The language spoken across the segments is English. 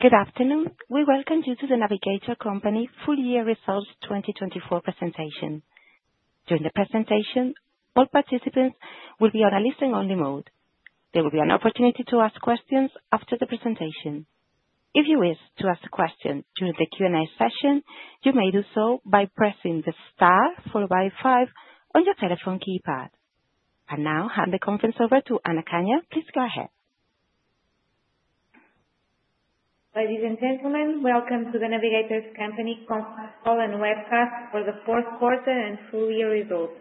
Good afternoon. We welcome you to The Navigator Company full-year results 2024 presentation. During the presentation, all participants will be on a listen-only mode. There will be an opportunity to ask questions after the presentation. If you wish to ask a question during the Q&A session, you may do so by pressing the star followed by five on your telephone keypad. And now, hand the conference over to Ana Canha. Please go ahead. Ladies and gentlemen, welcome to The Navigator Company conference call and webcast for the fourth quarter and full-year results.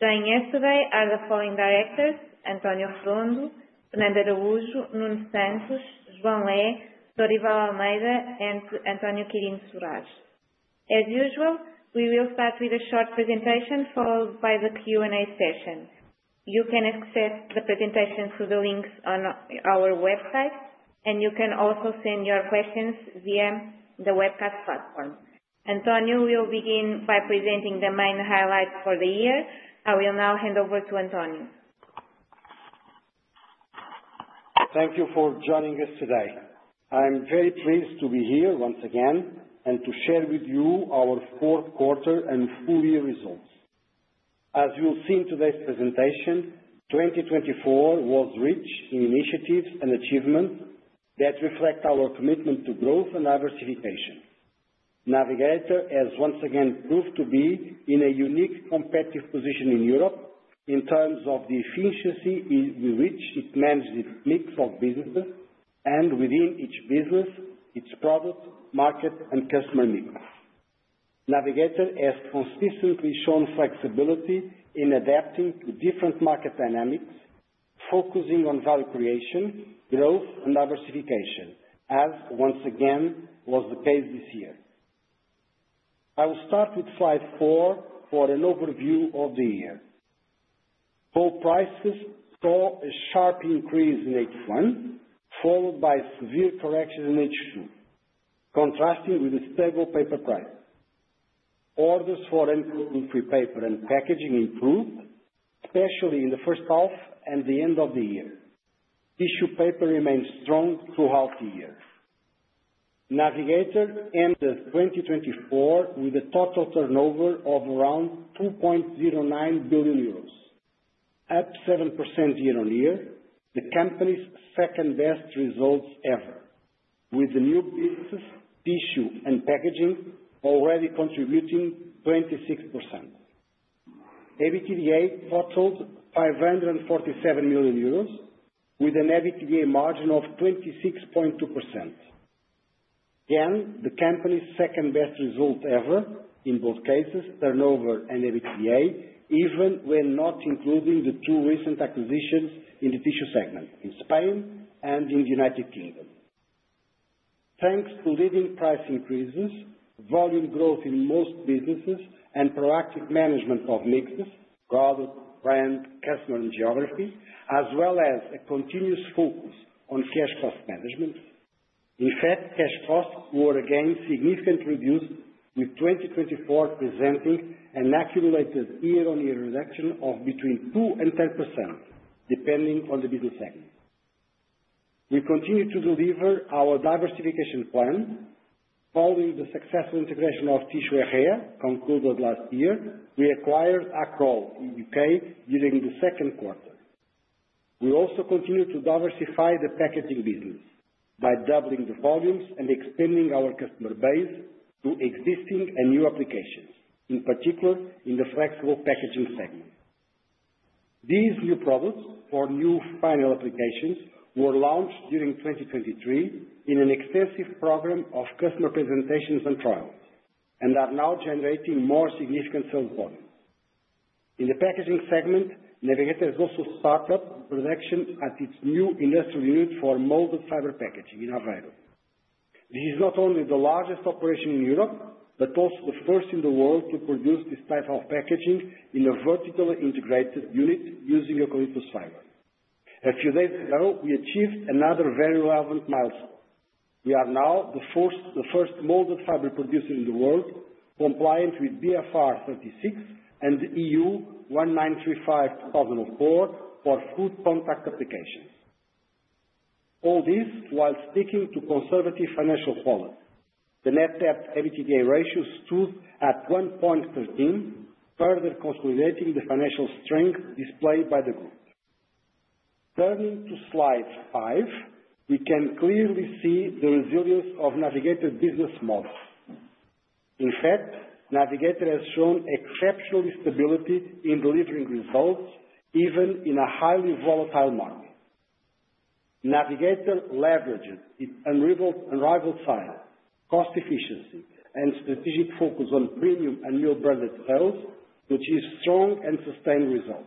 Joining us today are the following directors: António Redondo, Fernando Araújo, Nuno Santos, João Lé, Dorival Almeida, and António Quirino Soares. As usual, we will start with a short presentation followed by the Q&A session. You can access the presentation through the links on our website, and you can also send your questions via the webcast platform. António will begin by presenting the main highlights for the year. I will now hand over to António. Thank you for joining us today. I'm very pleased to be here once again and to share with you our fourth quarter and full-year results. As you'll see in today's presentation, 2024 was rich in initiatives and achievements that reflect our commitment to growth and diversification. Navigator has once again proved to be in a unique competitive position in Europe in terms of the efficiency with which it manages its mix of businesses and within each business, its product, market, and customer mix. Navigator has consistently shown flexibility in adapting to different market dynamics, focusing on value creation, growth, and diversification, as once again was the case this year. I will start with slide four for an overview of the year. Pulp prices saw a sharp increase in H1, followed by a severe correction in H2, contrasting with the stable paper prices. Orders for uncoated wood-free print, paper and packaging improved, especially in the first half and the end of the year. Tissue paper remained strong throughout the year. Navigator ended 2024 with a total turnover of around 2.09 billion euros, up 7% year-on-year, the company's second-best results ever, with the new businesses tissue and packaging already contributing 26%. EBITDA totaled 547 million euros, with an EBITDA margin of 26.2%. Again, the company's second-best result ever in both cases, turnover, and EBITDA, even when not including the two recent acquisitions in the tissue segment in Spain and in the United Kingdom. Thanks to leading price increases, volume growth in most businesses, and proactive management of mixes, product, brand, customer, and geography, as well as a continuous focus on cash cost management, in fact, cash costs were again significantly reduced, with 2024 presenting an accumulated year-on-year reduction of between 2% and 10%, depending on the business segment. We continue to deliver our diversification plan. Following the successful integration of Tissue Ejea concluded last year, we acquired Accrol in the UK during the second quarter. We also continue to diversify the packaging business by doubling the volumes and expanding our customer base through existing and new applications, in particular in the flexible packaging segment. These new products for new final applications were launched during 2023 in an extensive program of customer presentations and trials and are now generating more significant sales volumes. In the packaging segment, Navigator has also started production at its new industrial unit for molded fiber packaging in Aveiro. This is not only the largest operation in Europe but also the first in the world to produce this type of packaging in a vertically integrated unit using recycled fiber. A few days ago, we achieved another very relevant milestone. We are now the first molded fiber producer in the world, compliant with BfR XXXVI and the EU 1935/2004 for food contact applications. All this while sticking to conservative financial quality. The net debt-to-EBITDA ratio stood at 1.13, further consolidating the financial strength displayed by the group. Turning to slide five, we can clearly see the resilience of Navigator's business model. In fact, Navigator has shown exceptional stability in delivering results even in a highly volatile market. Navigator leverages its unrivaled size, cost efficiency, and strategic focus on premium and new branded sales, which is strong and sustained results.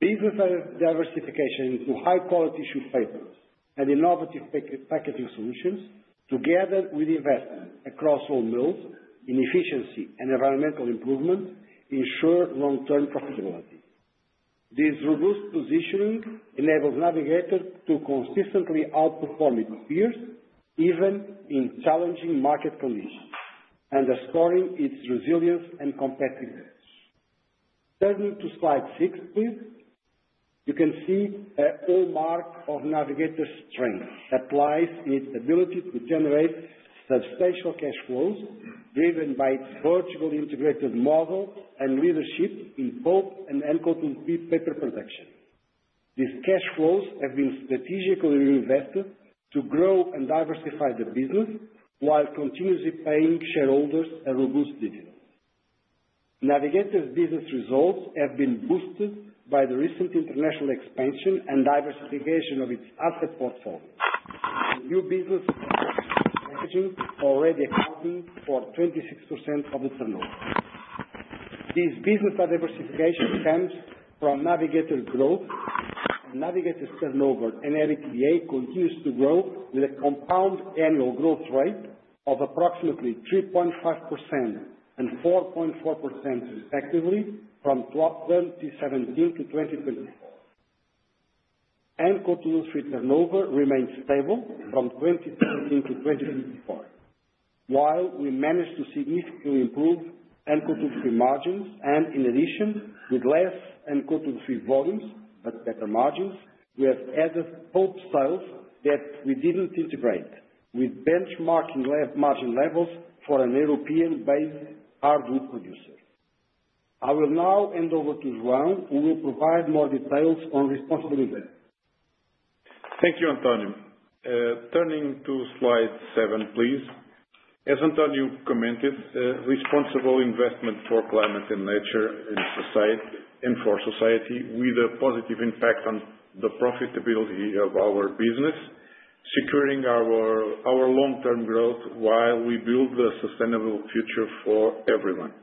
Business diversification into high-quality tissue papers and innovative packaging solutions, together with investment across all mills in efficiency and environmental improvement, ensure long-term profitability. This robust positioning enables Navigator to consistently outperform its peers even in challenging market conditions, underscoring its resilience and competitiveness. Turning to slide six, please. You can see a hallmark of Navigator's strength that lies in its ability to generate substantial cash flows driven by its vertically integrated model and leadership in pulp and uncoated wood-free paper production. These cash flows have been strategically reinvested to grow and diversify the business while continuously paying shareholders a robust dividend. Navigator's business results have been boosted by the recent international expansion and diversification of its asset portfolio. New businesses in packaging already accounting for 26% of the turnover. This business diversification stems from Navigator's growth. Navigator's turnover and EBITDA continues to grow with a compound annual growth rate of approximately 3.5% and 4.4% respectively from 2017 to 2024. Underlying turnover remains stable from 2017-2024, while we managed to significantly improve underlying margins and, in addition, with less underlying volumes but better margins, we have added pulp sales that we didn't integrate with benchmark margin levels for a European-based hardwood producer. I will now hand over to Araújo, who will provide more details on responsibility. Thank you, António. Turning to slide seven, please. As António commented, responsible investment for climate and nature and for society with a positive impact on the profitability of our business, securing our long-term growth while we build a sustainable future for everyone.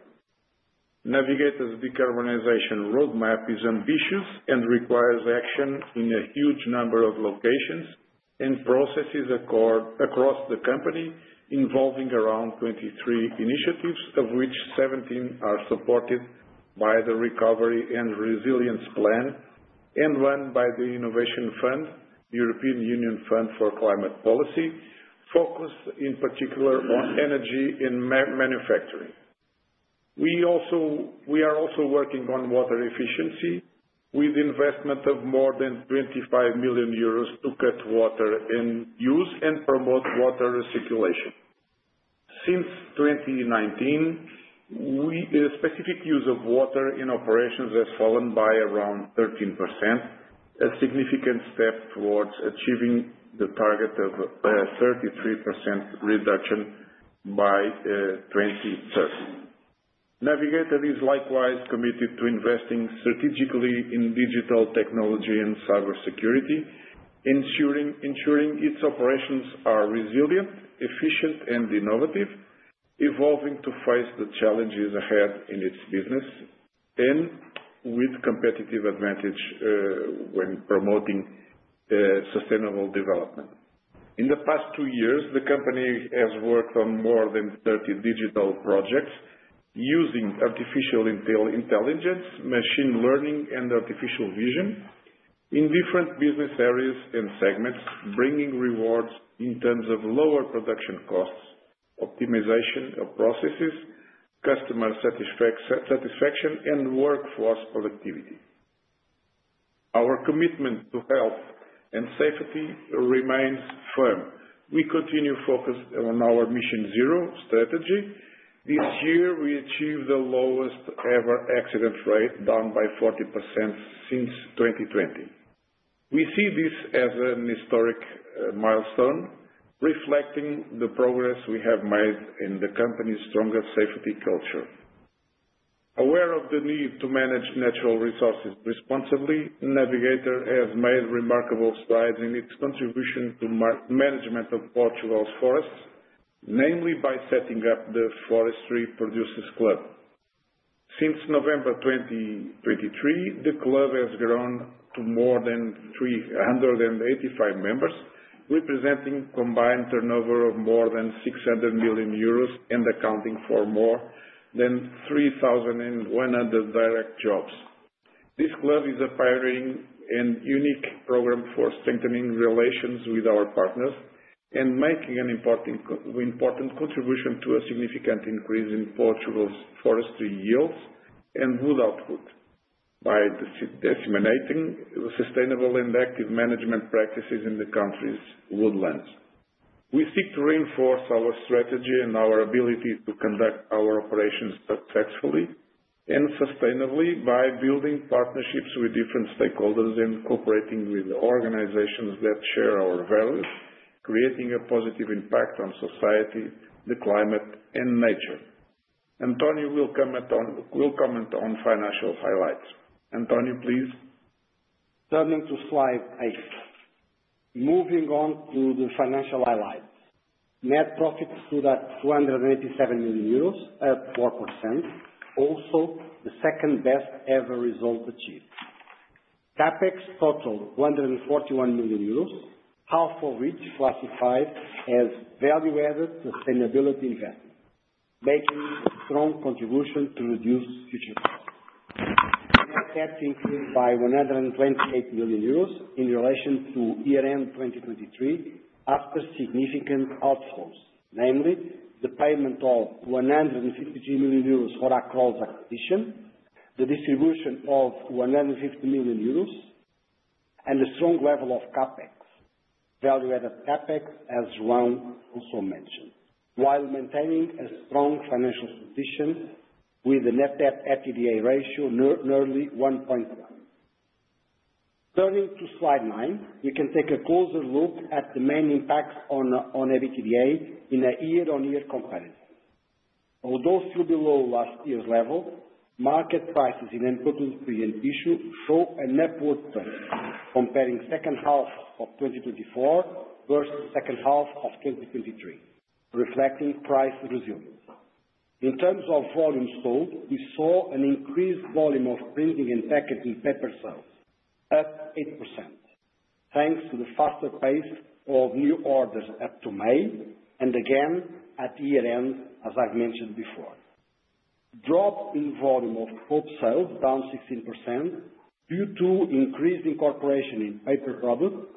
Navigator's decarbonization roadmap is ambitious and requires action in a huge number of locations and processes across the company, involving around 23 initiatives, of which 17 are supported by the Recovery and Resilience Plan and run by the Innovation Fund, European Union Fund for Climate Policy, focused in particular on energy and manufacturing. We are also working on water efficiency with investment of more than 25 million euros to cut water in use and promote water recirculation. Since 2019, specific use of water in operations has fallen by around 13%, a significant step towards achieving the target of a 33% reduction by 2030. Navigator is likewise committed to investing strategically in digital technology and cybersecurity, ensuring its operations are resilient, efficient, and innovative, evolving to face the challenges ahead in its business and with competitive advantage when promoting sustainable development. In the past two years, the company has worked on more than 30 digital projects using artificial intelligence, machine learning, and artificial vision in different business areas and segments, bringing rewards in terms of lower production costs, optimization of processes, customer satisfaction, and workforce productivity. Our commitment to health and safety remains firm. We continue focused on our Mission Zero strategy. This year, we achieved the lowest-ever accident rate, down by 40% since 2020. We see this as a historic milestone, reflecting the progress we have made in the company's stronger safety culture. Aware of the need to manage natural resources responsibly, Navigator has made remarkable strides in its contribution to the management of Portugal's forests, namely by setting up the Forestry Producers Club. Since November 2023, the club has grown to more than 385 members, representing a combined turnover of more than 600 million euros and accounting for more than 3,100 direct jobs. This club is a pioneering and unique program for strengthening relations with our partners and making an important contribution to a significant increase in Portugal's forestry yields and wood output by disseminating sustainable and active management practices in the country's woodlands. We seek to reinforce our strategy and our ability to conduct our operations successfully and sustainably by building partnerships with different stakeholders and cooperating with organizations that share our values, creating a positive impact on society, the climate, and nature. António will comment on financial highlights. António, please. Turning to slide eight. Moving on to the financial highlights. Net profit stood at 287 million euros, up 4%, also the second-best-ever result achieved. CapEx totaled 241 million euros, half of which classified as value-added sustainability investment, making a strong contribution to reduce future costs. Net assets increased by 128 million euros in relation to year-end 2023 after significant outflows, namely the payment of 153 million euros for Accrol's acquisition, the distribution of 150 million euros, and a strong level of CapEx. Value-added CapEx, as Araújo also mentioned, while maintaining a strong financial position with a net EBITDA ratio nearly 1.1. Turning to slide nine, we can take a closer look at the main impacts on EBITDA in a year-on-year comparison. Although still below last year's level, market prices in uncoated wood-free tissue show a net positive, comparing second half of 2024 versus second half of 2023, reflecting price resilience. In terms of volume sold, we saw an increased volume of printing and packaging paper sales, up 8%, thanks to the faster pace of new orders up to May and again at year-end, as I've mentioned before. Drop in volume of pulp sales, down 16%, due to increased incorporation in paper products,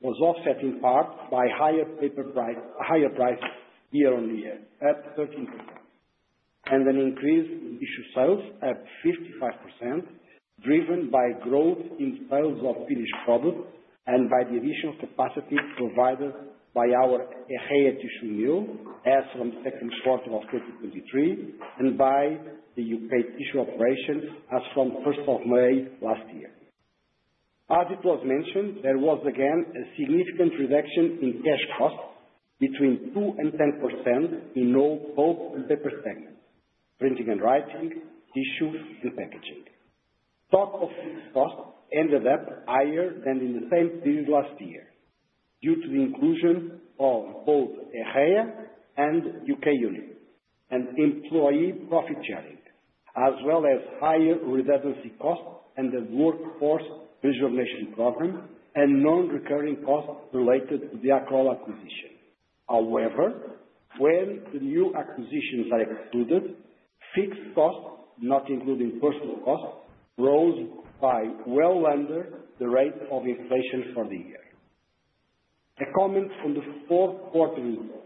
was offset in part by higher prices year-on-year, up 13%, and an increase in tissue sales, up 55%, driven by growth in sales of finished products and by the additional capacity provided by our Ejea tissue mill, as from the second quarter of 2023, and by the UK tissue operations, as from the first of May last year. As it was mentioned, there was again a significant reduction in cash costs between 2% and 10% in all pulp and paper segments: printing and writing, tissue, and packaging. Total fixed costs ended up higher than in the same period last year due to the inclusion of both Ejea and UK unit and employee profit sharing, as well as higher redundancy costs and the workforce preservation program and non-recurring costs related to the Accrol acquisition. However, when the new acquisitions are excluded, fixed costs, not including personnel costs, rose by well under the rate of inflation for the year. A comment on the fourth quarter result: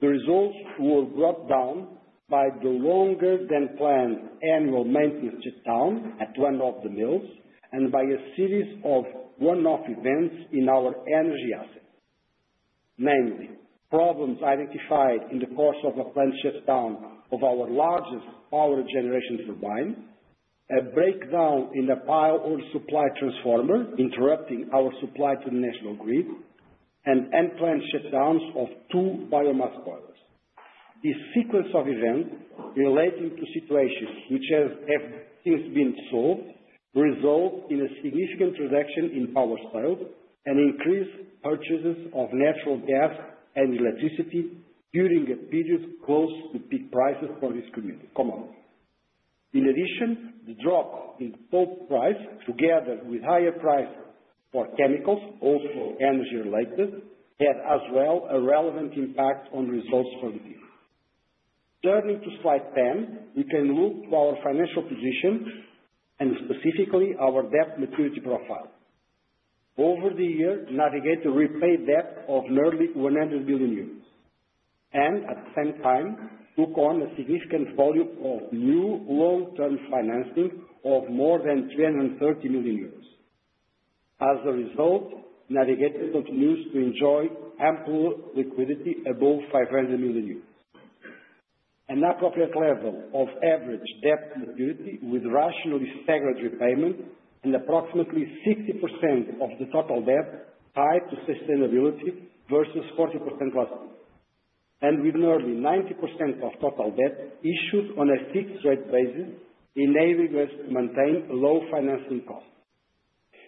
the results were brought down by the longer-than-planned annual maintenance shutdown at one of the mills and by a series of one-off events in our energy assets, namely problems identified in the course of a plant shutdown of our largest power generation turbine, a breakdown in the fuel oil supply transformer interrupting our supply to the national grid, and planned shutdowns of two biomass boilers. This sequence of events relating to situations which have since been solved resulted in a significant reduction in power sales and increased purchases of natural gas and electricity during a period close to peak prices for this community. In addition, the drop in pulp price, together with higher prices for chemicals, also energy-related, had as well a relevant impact on results for the business. Turning to slide 10, we can look to our financial position and specifically our debt maturity profile. Over the year, Navigator repaid debt of nearly 100 million euros and, at the same time, took on a significant volume of new long-term financing of more than 330 million euros. As a result, Navigator continues to enjoy ample liquidity above 500 million euros, an appropriate level of average debt maturity with rationally staggered repayment and approximately 60% of the total debt tied to sustainability versus 40% last year, and with nearly 90% of total debt issued on a fixed-rate basis, enabling us to maintain low financing costs.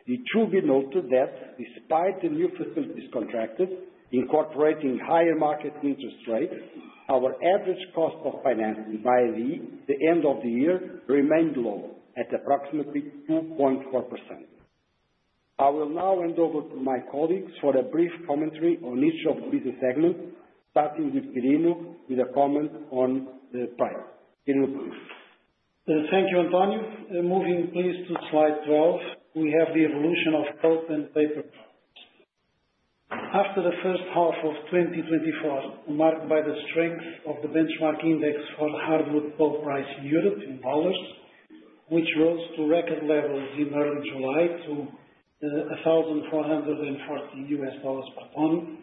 It should be noted that, despite the new facilities contracted, incorporating higher market interest rates, our average cost of financing by the end of the year remained low at approximately 2.4%. I will now hand over to my colleagues for a brief commentary on each of the business segments, starting with Quirino with a comment on the price. Quirino, please. Thank you, António. Moving, please, to slide 12. We have the evolution of pulp and paper products. After the first half of 2024, marked by the strength of the benchmark index for hardwood pulp price in Europe in dollars, which rose to record levels in early July to $1,440 per tonne,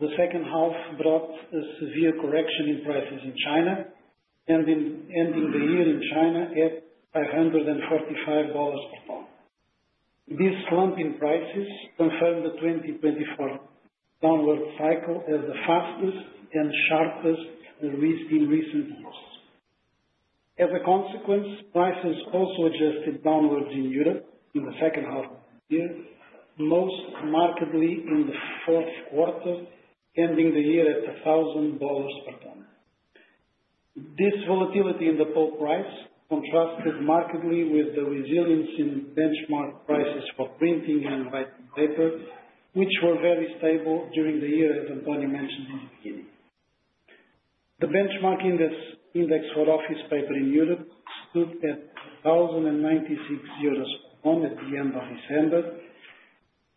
the second half brought a severe correction in prices in China, ending the year in China at $545 per tonne. This slump in prices confirmed the 2024 downward cycle as the fastest and sharpest in recent years. As a consequence, prices also adjusted downwards in Europe in the second half of the year, most markedly in the fourth quarter, ending the year at $1,000 per tonne. This volatility in the pulp price contrasted markedly with the resilience in benchmark prices for printing and writing paper, which were very stable during the year, as António mentioned in the beginning. The benchmark index for office paper in Europe stood at 1,096 euros per tonne at the end of December,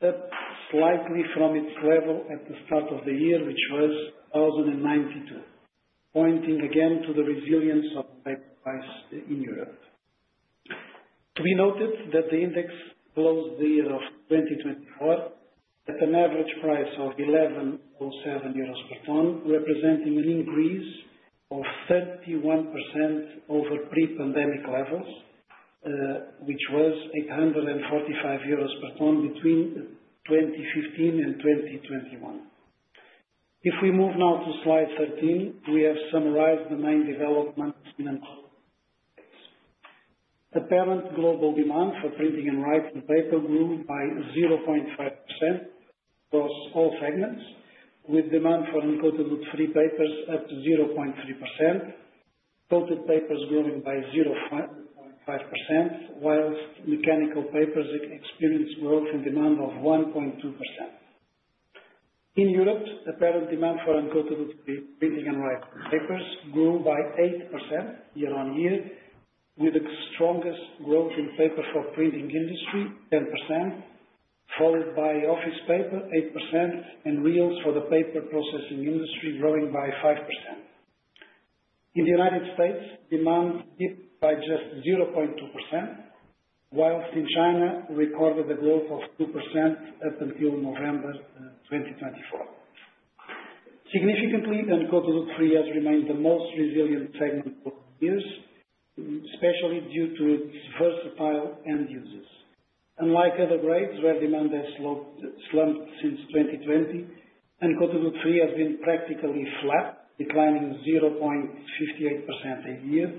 up slightly from its level at the start of the year, which was 1,092, pointing again to the resilience of paper price in Europe. It should be noted that the index closed the year of 2024 at an average price of 1,107 euros per tonne, representing an increase of 31% over pre-pandemic levels, which was 845 euros per tonne between 2015 and 2021. If we move now to slide 13, we have summarized the main developments in uncoated wood-free paper products. Apparent global demand for printing and writing paper grew by 0.5% across all segments, with demand for uncoated wood-free papers up by 0.3%, coated papers growing by 0.5%, whilst mechanical papers experienced growth in demand of 1.2%. In Europe, apparent demand for uncoated wood-free printing and writing papers grew by 8% year-on-year, with the strongest growth in paper for printing industry, 10%, followed by office paper, 8%, and reels for the paper processing industry growing by 5%. In the United States, demand dipped by just 0.2%, while in China recorded a growth of 2% up until November 2024. Significantly, uncoated wood-free has remained the most resilient segment for years, especially due to its versatile end uses. Unlike other grades, where demand has slumped since 2020, uncoated wood-free has been practically flat, declining 0.58% a year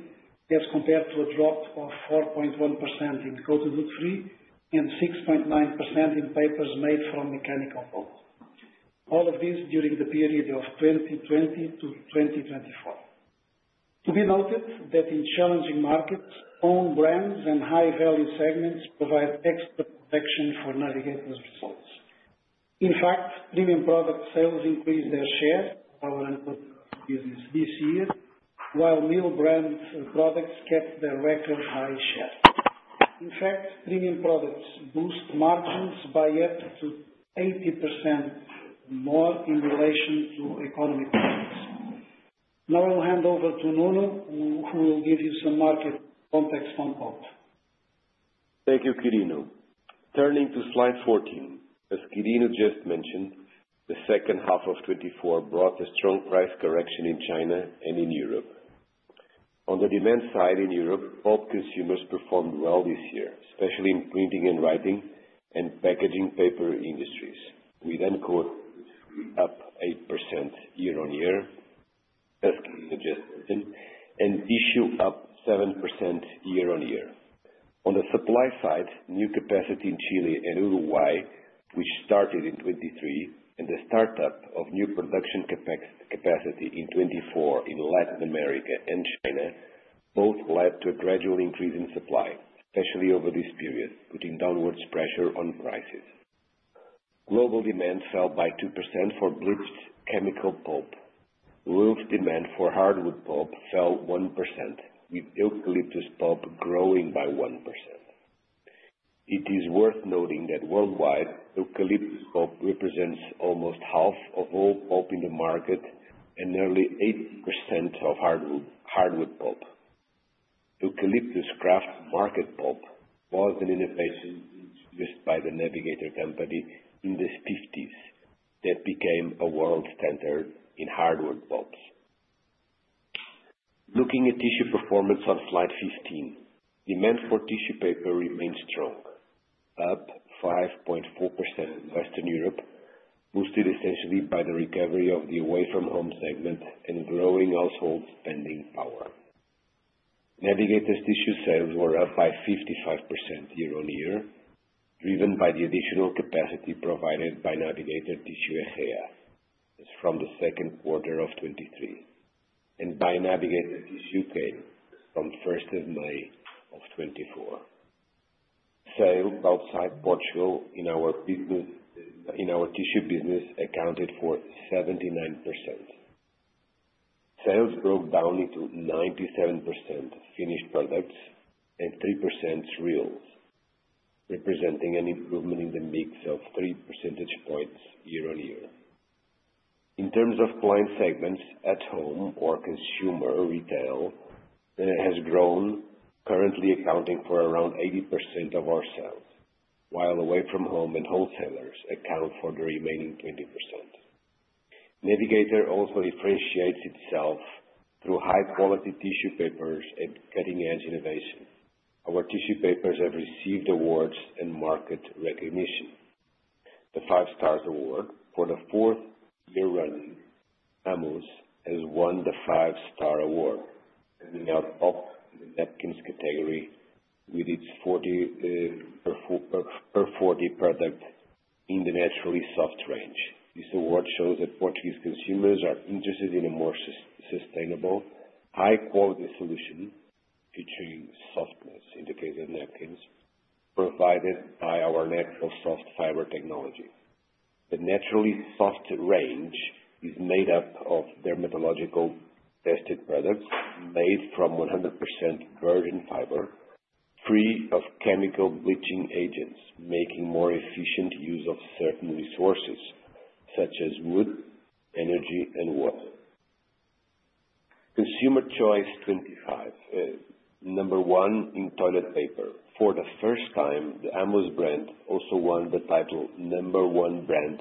as compared to a drop of 4.1% in coated wood-free and 6.9% in papers made from mechanical pulp. All of this during the period of 2020 to 2024. It should be noted that in challenging markets, own brands and high-value segments provide extra protection for Navigator's results. In fact, premium product sales increased their share of our ongoing business this year, while mill-branded products kept their record high share. In fact, premium products boost margins by up to 80% more in relation to economy products. Now I will hand over to Nuno, who will give you some market context on pulp. Thank you, Quirino. Turning to slide 14, as Quirino just mentioned, the second half of 2024 brought a strong price correction in China and in Europe. On the demand side in Europe, pulp consumers performed well this year, especially in printing and writing and packaging paper industries. With uncoated wood-free up 8% year-on-year, as Quirino just mentioned, and tissue up 7% year-on-year. On the supply side, new capacity in Chile and Uruguay, which started in 2023, and the startup of new production capacity in 2024 in Latin America and China both led to a gradual increase in supply, especially over this period, putting downward pressure on prices. Global demand fell by 2% for bleached chemical pulp. World demand for hardwood pulp fell 1%, with eucalyptus pulp growing by 1%. It is worth noting that worldwide, eucalyptus pulp represents almost half of all pulp in the market and nearly 8% of hardwood pulp. Eucalyptus Kraft Market Pulp was an innovation introduced by The Navigator Company in the 1950s that became a world standard in hardwood pulps. Looking at tissue performance on slide 15, demand for tissue paper remained strong, up 5.4% in Western Europe, boosted essentially by the recovery of the away-from-home segment and growing household spending power. Navigator's tissue sales were up by 55% year-on-year, driven by the additional capacity provided by Navigator Tissue Ejea, as from the second quarter of 2023, and by Navigator Tissue UK from the 1st May, 2024. Sales outside Portugal in our tissue business accounted for 79%. Sales broke down into 97% finished products and 3% rolls, representing an improvement in the mix of 3 percentage points year-on-year. In terms of client segments, at-home or consumer retail has grown, currently accounting for around 80% of our sales, while away-from-home and wholesalers account for the remaining 20%. Navigator also differentiates itself through high-quality tissue papers and cutting-edge innovation. Our tissue papers have received awards and market recognition. The Five Stars Award, for the fourth year running, Amoos has won the Five Stars Award, ending up in the napkins category with its 40x40 product in the Naturally Soft range. This award shows that Portuguese consumers are interested in a more sustainable, high-quality solution featuring softness, in the case of napkins, provided by our Naturally Soft Fiber technology. The Naturally Soft range is made up of dermatologically tested products made from 100% virgin fiber, free of chemical bleaching agents, making more efficient use of certain resources such as wood, energy, and water. Consumer's Choice 2025, number one in toilet paper. For the first time, the Amoos brand also won the title number one brand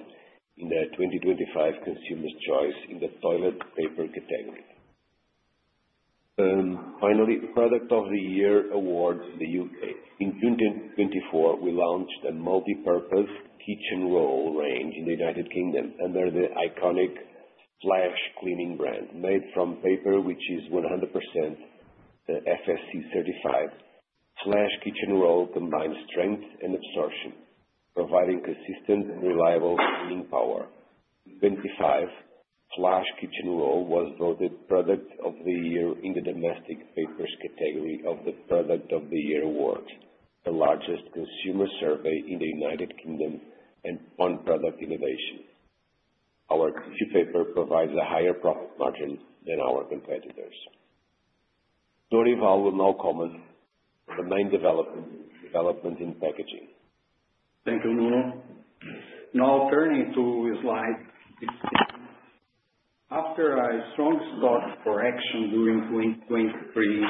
in the 2025 Consumer's Choice in the toilet paper category. Finally, Product of the Year awards in the U.K. In 2024, we launched a multi-purpose kitchen roll range in the United Kingdom under the iconic Flash cleaning brand. Made from paper, which is 100% FSC certified, Flash kitchen roll combines strength and absorption, providing consistent and reliable cleaning power. In 2025, Flash kitchen roll was voted Product of the Year in the domestic papers category of the Product of the Year awards, the largest consumer survey in the United Kingdom and on product innovation. Our tissue paper provides a higher profit margin than our competitors. Dorival will now comment on the main development in packaging. Thank you, Nuno. Now turning to slide 16. After a strong stock correction during 2023,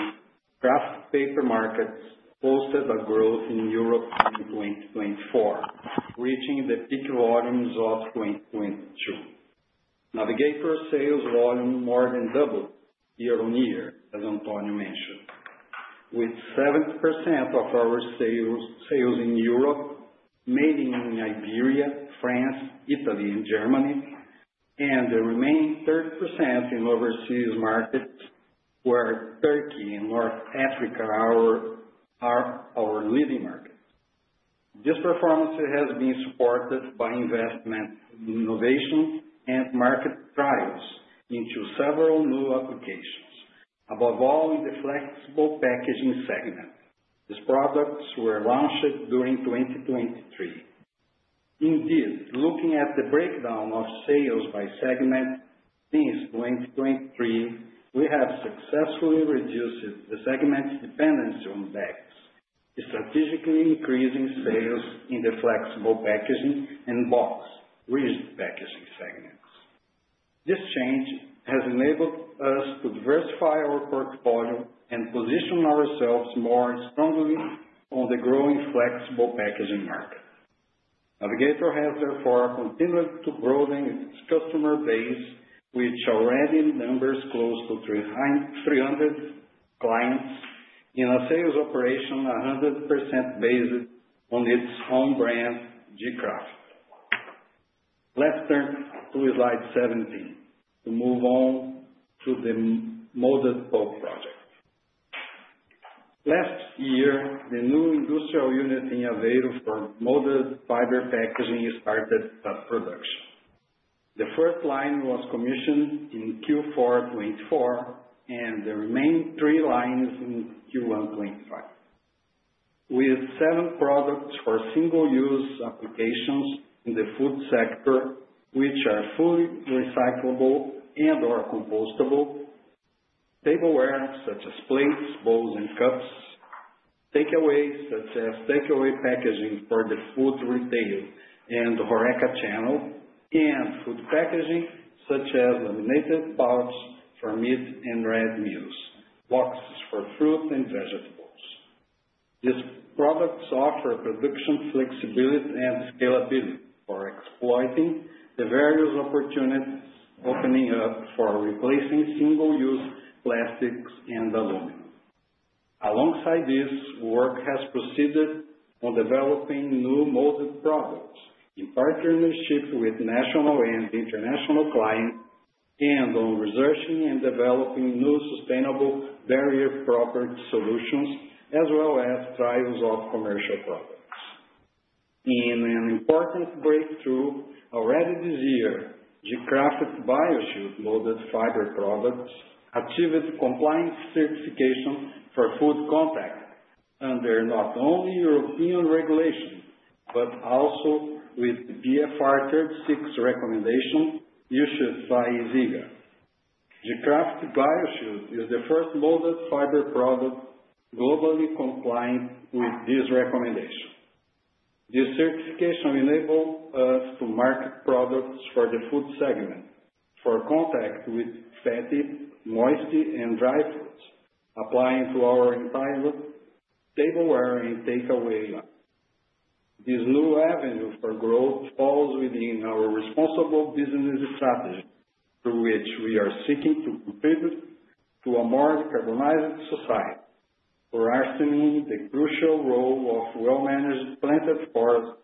kraft paper markets posted a growth in Europe in 2024, reaching the peak volumes of 2022. Navigator sales volume more than doubled year-on-year, as António mentioned, with 70% of our sales in Europe mainly in Iberia, France, Italy, and Germany, and the remaining 30% in overseas markets, where Turkey and North Africa are our leading markets. This performance has been supported by investment in innovation and market trials into several new applications, above all in the flexible packaging segment. These products were launched during 2023. Indeed, looking at the breakdown of sales by segment since 2023, we have successfully reduced the segment dependency on bags, strategically increasing sales in the flexible packaging and boxboard packaging segments. This change has enabled us to diversify our portfolio and position ourselves more strongly on the growing flexible packaging market. Navigator has therefore continued to broaden its customer base, which already numbers close to 300 clients in a sales operation 100% based on its own brand, gKRAFT. Let's turn to slide 17 to move on to the molded fiber product. Last year, the new industrial unit in Aveiro for molded fiber packaging started production. The first line was commissioned in Q4 2024, and the remaining three lines in Q1 2025. With seven products for single-use applications in the food sector, which are fully recyclable and/or compostable, tableware such as plates, bowls, and cups, takeaway such as takeaway packaging for the food retail and HoReCa channel, and food packaging such as laminated pouch for meat and red meals, boxes for fruit and vegetables. These products offer production flexibility and scalability for exploiting the various opportunities opening up for replacing single-use plastics and aluminum. Alongside this, work has proceeded on developing new molded products in partnership with national and international clients and on researching and developing new sustainable barrier-proper solutions, as well as trials of commercial products. In an important breakthrough, already this year, gKRAFT BioShield molded fiber products achieved compliance certification for food contact under not only European regulations but also with the BfR XXXVI recommendation issued by ISEGA. gKRAFT BioShield is the first molded fiber product globally compliant with this recommendation. This certification enables us to market products for the food segment for contact with fatty, moisty, and dry foods, applying to our entire tableware and takeaway line. This new avenue for growth falls within our responsible business strategy, through which we are seeking to contribute to a more decarbonized society, rehearsing the crucial role of well-managed planted forests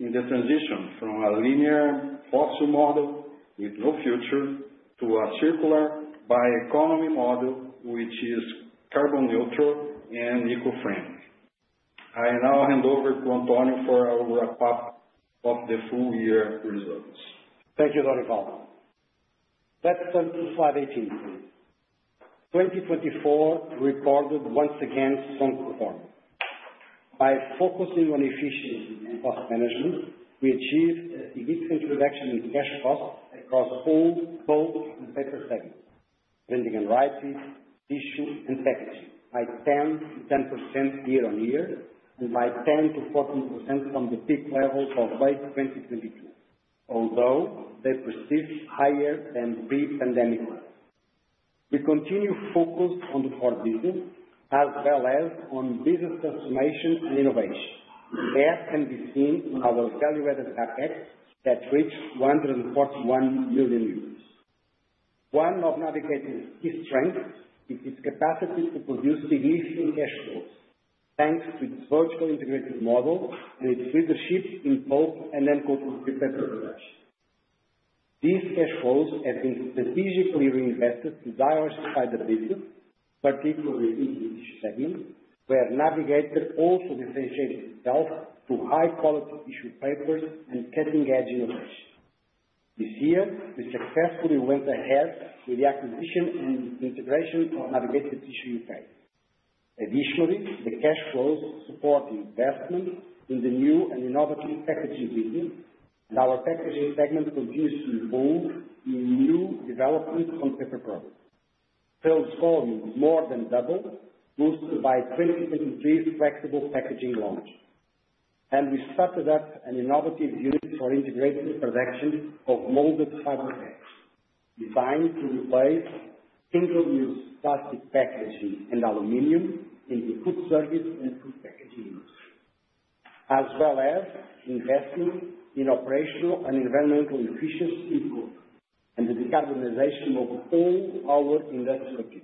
in the transition from a linear fossil model with no future to a circular bioeconomy model, which is carbon neutral and eco-friendly. I now hand over to António for a wrap-up of the full-year results. Thank you, Dorival. Let's turn to slide 18, please. 2024 reported once again strong performance. By focusing on efficiency and cost management, we achieved a significant reduction in cash costs across wood, pulp, and paper segments, printing and writing, tissue, and packaging, by 10%-10% year-on-year and by 10%-14% from the peak levels of late 2022, although they persist higher than pre-pandemic levels. We continue focused on the core business as well as on business transformation and innovation, as can be seen in our valuated CapEx that reached 141 million. One of Navigator's key strengths is its capacity to produce significant cash flows, thanks to its vertically integrated model and its leadership in pulp and uncoated wood-free paper production. These cash flows have been strategically reinvested to diversify the business, particularly in the tissue segment, where Navigator also differentiated itself through high-quality tissue papers and cutting-edge innovation. This year, we successfully went ahead with the acquisition and integration of Navigator Tissue in France. Additionally, the cash flows support investment in the new and innovative packaging business, and our packaging segment continues to evolve in new developments on paper products. Sales volume more than doubled, boosted by 2023's flexible packaging launch. We started up an innovative unit for integrated production of molded fiber bags, designed to replace single-use plastic packaging and aluminum in the food service and food packaging industry, as well as investing in operational and environmental efficiency improvement and the decarbonization of all our industrial processes.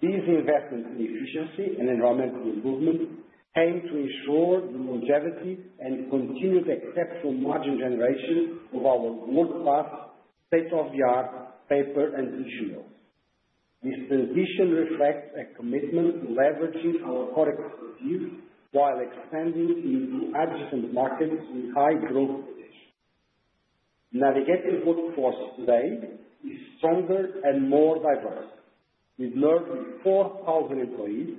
These investments in efficiency and environmental improvement aim to ensure the longevity and continued exceptional margin generation of our world-class state-of-the-art paper and tissue rolls. This transition reflects a commitment to leveraging our created value while expanding into adjacent markets with high growth potential. Navigator's workforce today is stronger and more diverse, with 4,000 employees,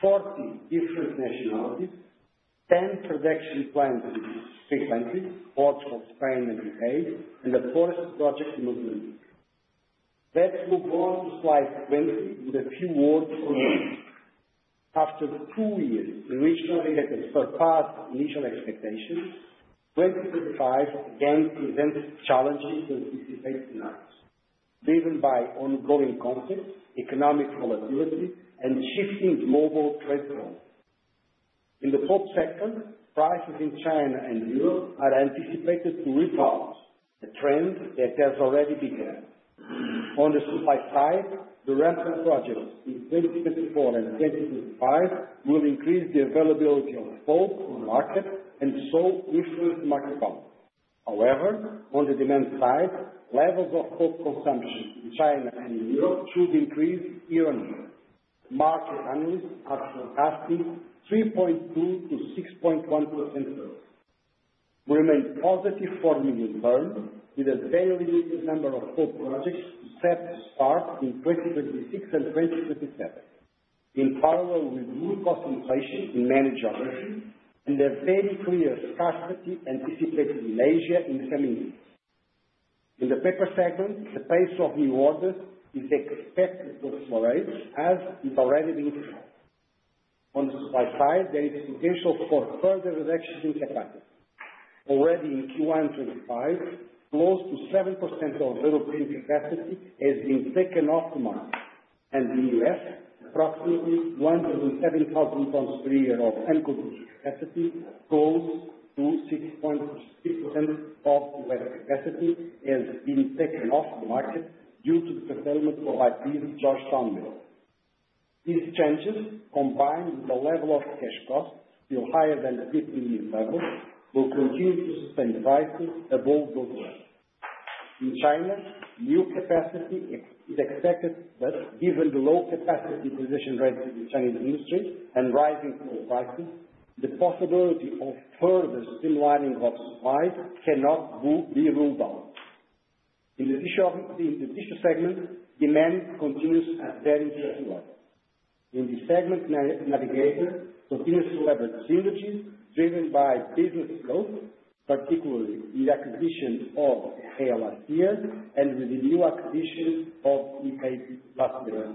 40 different nationalities, 10 production plants in three countries, Portugal, Spain, and the U.K., and a forest project in Mozambique. Let's move on to slide 20 with a few words from Navigator. After two years in which Navigator surpassed initial expectations, 2025 again presents challenging and anticipated scenarios, driven by ongoing conflicts, economic volatility, and shifting global trade policy. In the pulp sector, prices in China and Europe are anticipated to reverse a trend that has already begun. On the supply side, the ramp-up projects in 2024 and 2025 will increase the availability of pulp on the market and so influence the market volume. However, on the demand side, levels of pulp consumption in China and Europe should increase year-on-year. Market analysts are forecasting 3.2%-6.1% growth. We remain positive for the medium term, with a very limited number of pulp projects set to start in 2026 and 2027, in parallel with new cost inflation in many geographies and a very clear scarcity anticipated in Asia in the coming years. In the paper segment, the pace of new orders is expected to accelerate, as it's already been said. On the supply side, there is potential for further reductions in capacity. Already in Q1 2025, close to 7% of European capacity has been taken off the market, and in the U.S., approximately 1.7 million tons per year of coated capacity close to 6.6% of U.S. capacity has been taken off the market due to the fulfillment of IP's Georgetown mill. These changes, combined with the level of cash costs still higher than the pre-pandemic levels, will continue to sustain prices above those levels. In China, new capacity is expected, but given the low capacity utilization rates in the Chinese industry and rising oil prices, the possibility of further streamlining of supply cannot be ruled out. In the tissue segment, demand continues at a very interesting level. In this segment, Navigator continues to leverage synergies driven by business growth, particularly in the acquisition of Accrol and with the new acquisition of Gomà-Camps Consumer.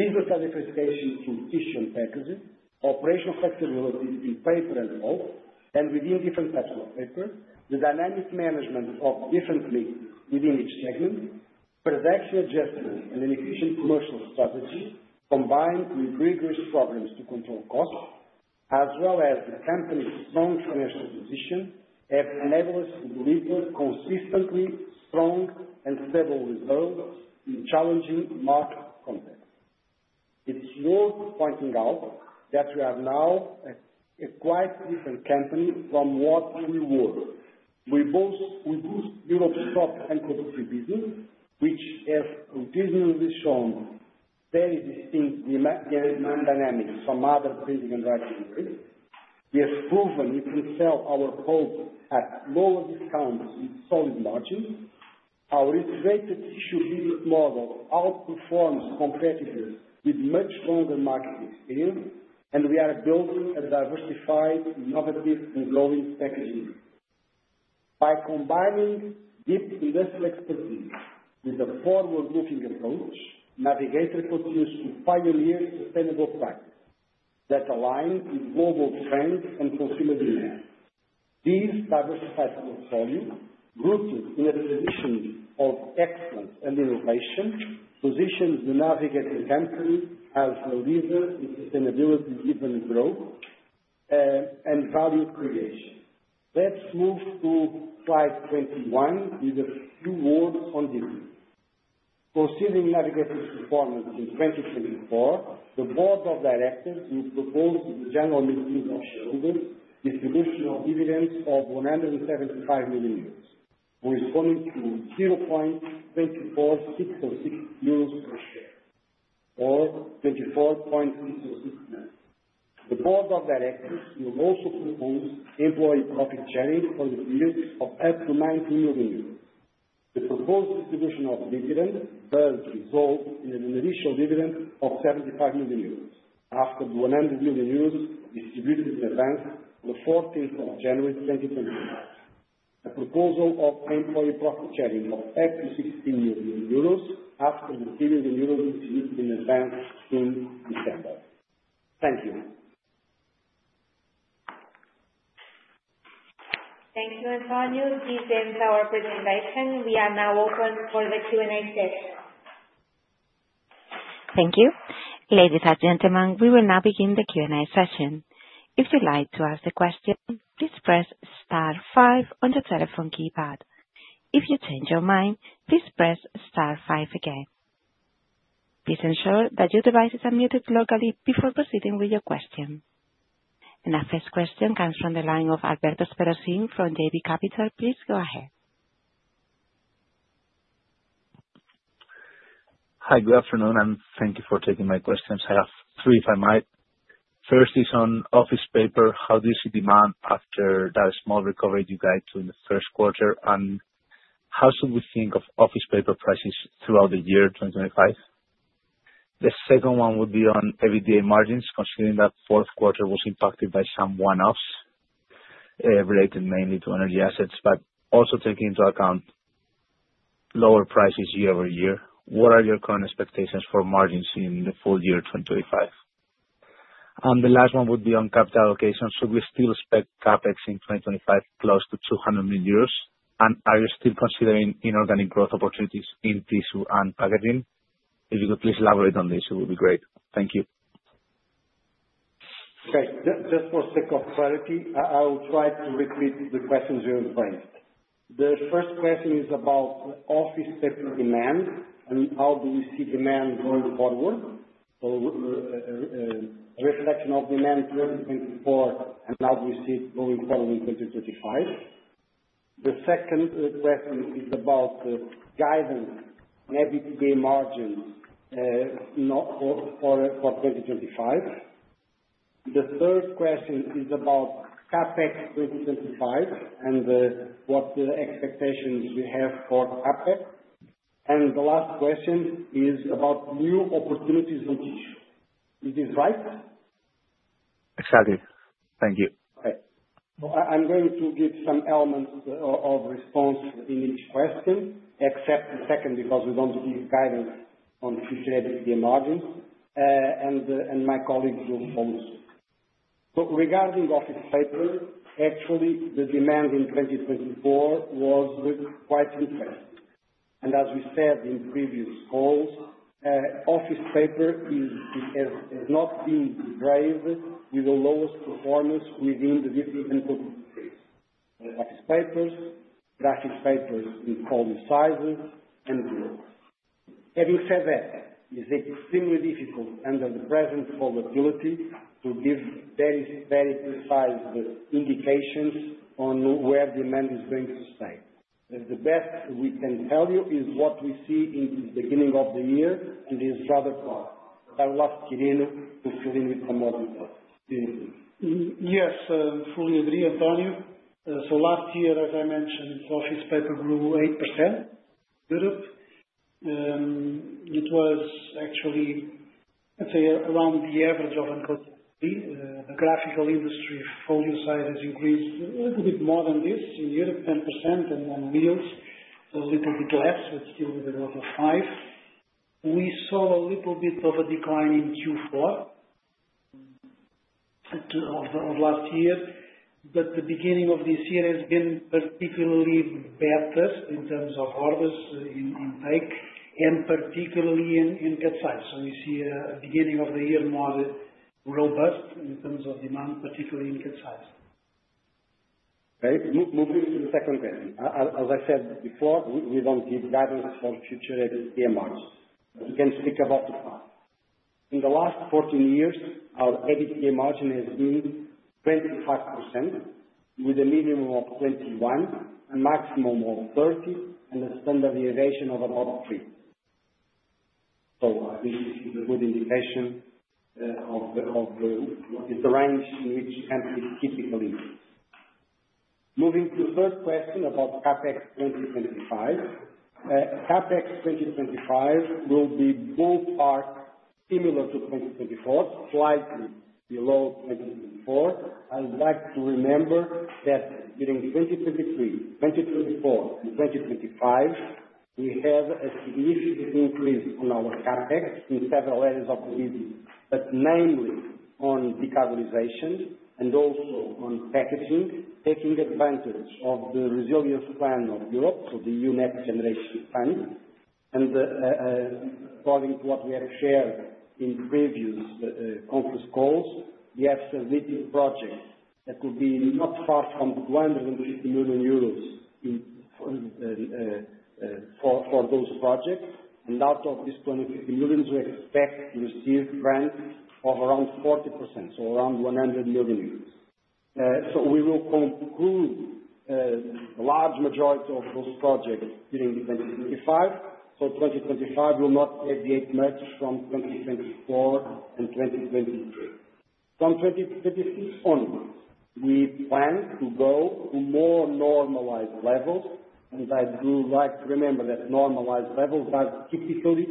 Business manifestations through tissue and packaging, operational flexibility between paper and pulp, and within different types of paper, the dynamic management of different mixes within each segment, production adjustments, and an efficient commercial strategy combined with rigorous programs to control costs, as well as the company's strong financial position, have enabled us to deliver consistently strong and stable results in challenging market contexts. It's worth pointing out that we are now a quite different company from what we were. We host Europe's top uncoated business, which has continuously shown very distinct demand dynamics from other printing and writing areas. We have proven we can sell our pulp at lower discounts with solid margins. Our integrated tissue business model outperforms competitors with much longer market experience, and we are building a diversified, innovative, and growing packaging business. By combining deep industrial expertise with a forward-looking approach, Navigator continues to pioneer sustainable practices that align with global trends and consumer demand. These diversified portfolios, rooted in a tradition of excellence and innovation, position The Navigator Company as a leader in sustainability-driven growth and value creation. Let's move to slide 21 with a few words on dividends. Considering Navigator's performance in 2024, the Board of Directors will propose to the General Meeting of Shareholders a distribution of dividends of 175 million euros, corresponding to 0.2466 euros per share, or 24.66%. The Board of Directors will also propose employee profit sharing for the period of up to 19 million. The proposed distribution of dividends will result in an initial dividend of 75 million euros after the 100 million euros distributed in advance on the 14th of January 2024, a proposal of employee profit sharing of up to 16 million euros after the EUR 3 million distributed in advance in December. Thank you. Thank you, António. This ends our presentation. We are now open for the Q&A session. Thank you. Ladies and gentlemen, we will now begin the Q&A session. If you'd like to ask a question, please press star five on the telephone keypad. If you change your mind, please press star five again. Please ensure that your device is unmuted locally before proceeding with your question. And our first question comes from the line of Alberto Espelosín from JB Capital. Please go ahead. Hi, good afternoon, and thank you for taking my questions. I have three, if I might. First is on office paper, how do you see demand after that small recovery you guide to in the first quarter, and how should we think of office paper prices throughout the year 2025? The second one would be on everyday margins, considering that fourth quarter was impacted by some one-offs related mainly to energy assets, but also taking into account lower prices year-over-year. What are your current expectations for margins in the full year 2025? And the last one would be on capital allocation. Should we still expect CapEx in 2025 close to 200 million euros, and are you still considering inorganic growth opportunities in tissue and packaging? If you could please elaborate on this, it would be great. Thank you. Okay. Just for the sake of clarity, I'll try to repeat the questions you've raised. The first question is about office paper demand and how do we see demand going forward, a reflection of demand 2024, and how do we see it going forward in 2025. The second question is about guidance, net EBITDA margins for 2025. The third question is about CapEx 2025 and what expectations we have for CapEx. And the last question is about new opportunities on tissue. Is this right? Exactly. Thank you. Okay. I'm going to give some elements of response in each question, except the second because we don't give guidance on future EBITDA margins, and my colleagues will follow suit, so regarding office paper, actually, the demand in 2024 was quite interesting, and as we said in previous calls, office paper has not been derived with the lowest performance within the different product space: graphic papers, cut sizes, and growth. Having said that, it's extremely difficult under the present volatility to give very, very precise indications on where demand is going to stay. The best we can tell you is what we see in the beginning of the year, and it's rather poor. I'll ask Quirino to fill in with some more details. Yes, I fully agree, António, so last year, as I mentioned, office paper grew 8% in Europe. It was actually, I'd say, around the average of uncoated industry. The graphical industry folio size has increased a little bit more than this in Europe, 10%, and then news a little bit less, but still with a growth of 5%. We saw a little bit of a decline in Q4 of last year, but the beginning of this year has been particularly better in terms of orders intake and particularly in cut size, so we see the beginning of the year more robust in terms of demand, particularly in cut size. Okay. Moving to the second question. As I said before, we don't give guidance for future EPA margins. We can speak about the past. In the last 14 years, our EBITDA margin has been 25%, with a minimum of 21%, a maximum of 30%, and a standard deviation of about 3%. So this is a good indication of what is the range in which companies typically move. Moving to the third question about CapEx 2025, CapEx 2025 will be ballpark similar to 2024, slightly below 2024. I would like to remember that during 2023, 2024, and 2025, we had a significant increase in our CapEx in several areas of the region, but mainly on decarbonization and also on packaging, taking advantage of the resilience plan of Europe, so the EU Next Generation fund. According to what we have shared in previous conference calls, we have some leading projects that will be not far from 250 million euros for those projects. Out of this 250 million, we expect to receive grants of around 40%, so around 100 million euros. We will conclude the large majority of those projects during 2025. 2025 will not deviate much from 2024 and 2023. From 2026 onwards, we plan to go to more normalized levels, and I do like to remember that normalized levels were typically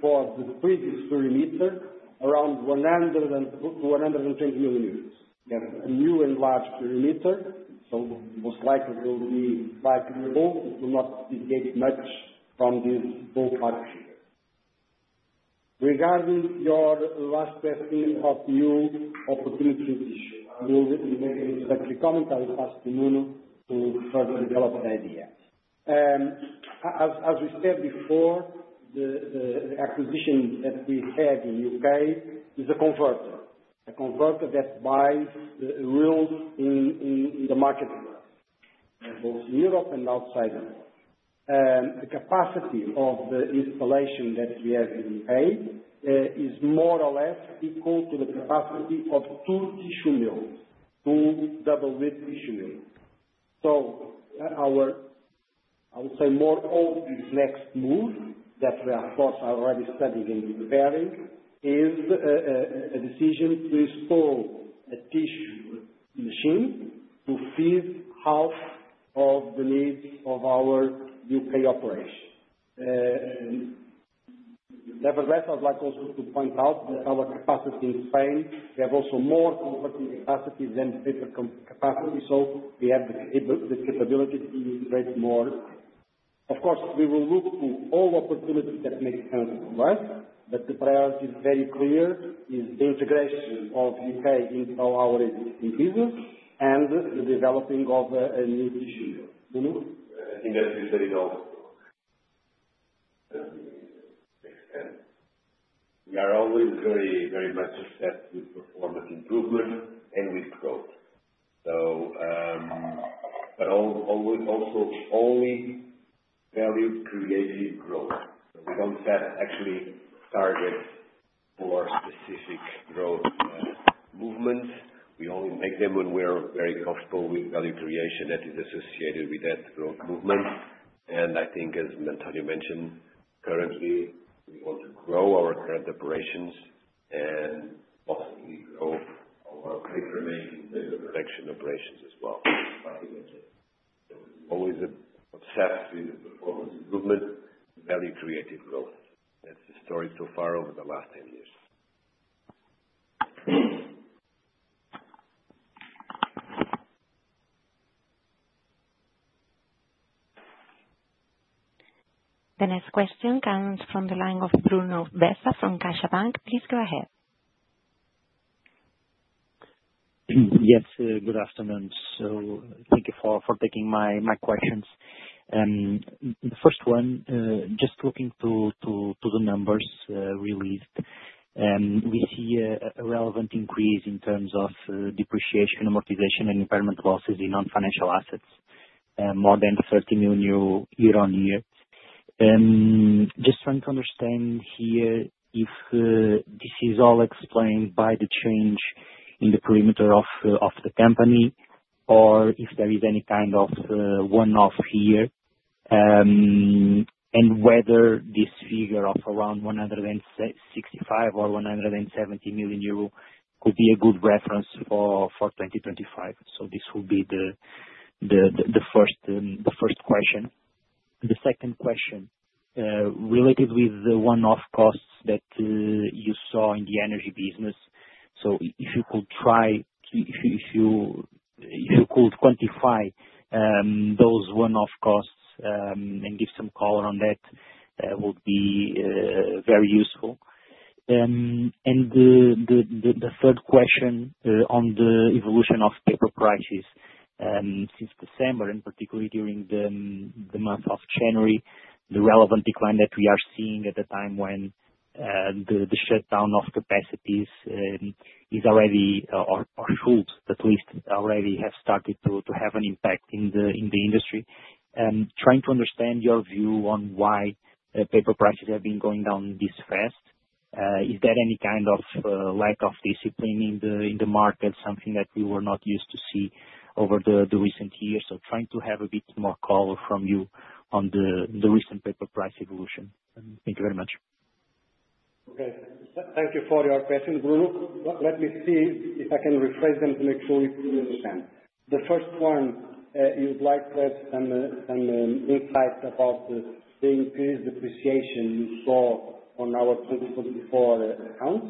for the previous perimeter around 120 million. We have a new enlarged perimeter, so most likely we'll be slightly low. It will not deviate much from this ballpark figure. Regarding your last question about new opportunities in tissue, I will make an introductory comment. I will pass to Nuno to further develop the idea. As we said before, the acquisition that we had in the U.K. is a converter, a converter that buys mills in the marketplace, both in Europe and outside Europe. The capacity of the installation that we have in the U.K. is more or less equal to the capacity of two tissue mills, two double-width tissue mills. So our, I would say, more obvious next move that we are, of course, already studying and preparing is a decision to install a tissue machine to feed half of the needs of our U.K. operation. Nevertheless, I would like also to point out that our capacity in Spain, we have also more converting capacity than paper capacity, so we have the capability to integrate more. Of course, we will look to all opportunities that make sense to us, but the priority is very clear: the integration of the U.K. into our existing business and the developing of a new tissue mill. I think that's very logical. We are always very, very much obsessed with performance improvement and with growth. But also only value-creating growth. We don't set actually targets for specific growth movements. We only make them when we're very comfortable with value creation that is associated with that growth movement. And I think, as António mentioned, currently we want to grow our current operations and possibly grow our paper-making and paper production operations as well. So always obsessed with performance improvement and value-creating growth. That's the story so far over the last 10 years. The next question comes from the line of Bruno Bessa from CaixaBank. Please go ahead. Yes, good afternoon. So thank you for taking my questions. The first one, just looking to the numbers released, we see a relevant increase in terms of depreciation, amortization, and impairment losses in non-financial assets, more than 30 million euro year-on-year. Just trying to understand here if this is all explained by the change in the perimeter of the company or if there is any kind of one-off here and whether this figure of around 165 million or 170 million euro could be a good reference for 2025. So this will be the first question. The second question, related with the one-off costs that you saw in the energy business, so if you could try, if you could quantify those one-off costs and give some color on that, would be very useful. The third question on the evolution of paper prices since December, and particularly during the month of January: the relevant decline that we are seeing at the time when the shutdown of capacities is already or should at least already have started to have an impact in the industry. Trying to understand your view on why paper prices have been going down this fast. Is there any kind of lack of discipline in the market, something that we were not used to see over the recent years? Trying to have a bit more color from you on the recent paper price evolution. Thank you very much. Okay. Thank you for your question, Bruno. Let me see if I can rephrase them to make sure you understand. The first one, you'd like to add some insight about the increased depreciation you saw on our 2024 accounts.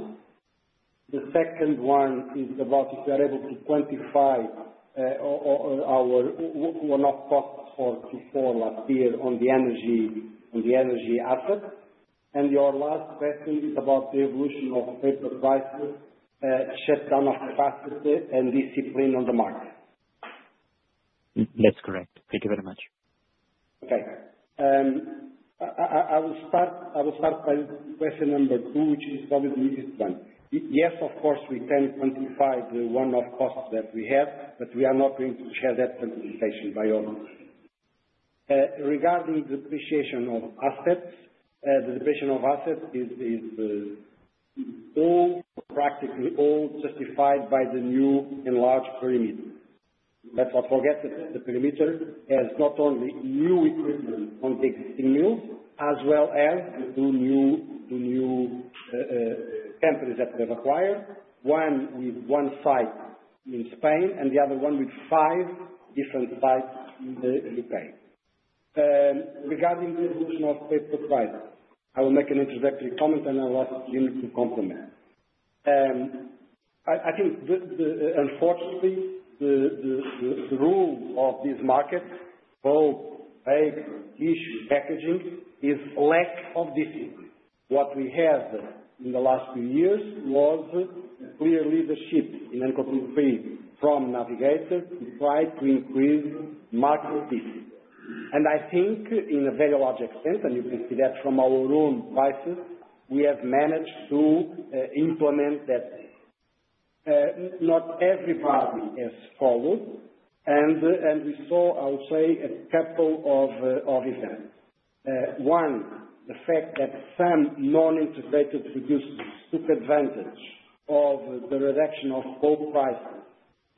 The second one is about if you are able to quantify our one-off costs for Q4 last year on the energy assets. And your last question is about the evolution of paper prices, shutdown of capacity, and discipline on the market. That's correct. Thank you very much. Okay. I will start by question number two, which is probably the easiest one. Yes, of course, we can quantify the one-off costs that we have, but we are not going to share that quantification by all of you. Regarding depreciation of assets, the depreciation of assets is practically all justified by the new enlarged perimeter. Let's not forget that the perimeter has not only new equipment on the existing mills as well as the two new companies that we have acquired, one with one site in Spain and the other one with five different sites in the U.K. Regarding the evolution of paper prices, I will make an introductory comment, and I'll ask Quirino to complement. I think, unfortunately, the rule of this market, both paper, tissue, packaging, is lack of discipline. What we had in the last few years was clearly the shift in the European space for Navigator to try to increase market discipline. I think in a very large extent, and you can see that from our own prices, we have managed to implement that. Not everybody has followed, and we saw, I would say, a couple of events. One, the fact that some non-integrated producers took advantage of the reduction of log prices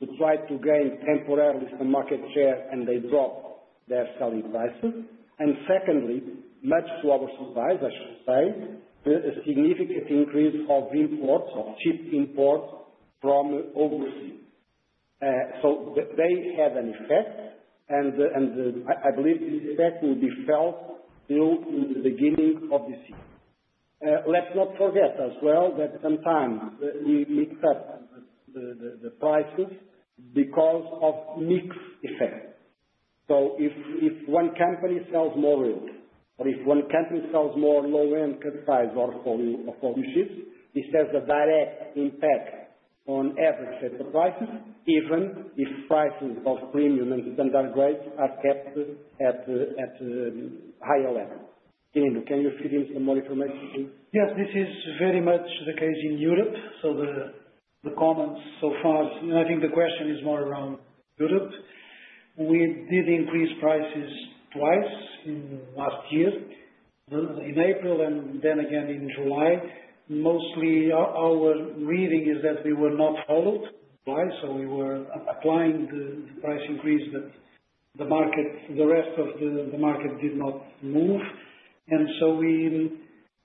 to try to gain temporarily some market share, and they dropped their selling prices. And secondly, much to our surprise, I should say, a significant increase of imports, of cheap imports from overseas. So they had an effect, and I believe the effect will be felt still in the beginning of this year. Let's not forget as well that sometimes we mix up the prices because of mixed effects. If one company sells more reel, or if one company sells more low-end cut size or folio sheets, this has a direct impact on average paper prices, even if prices of premium and standard grades are kept at a higher level. Quirino, can you fill in some more information? Yes, this is very much the case in Europe. So the comments so far, and I think the question is more around Europe. We did increase prices twice in last year, in April and then again in July. Mostly our reading is that we were not followed by, so we were applying the price increase, but the rest of the market did not move. And so we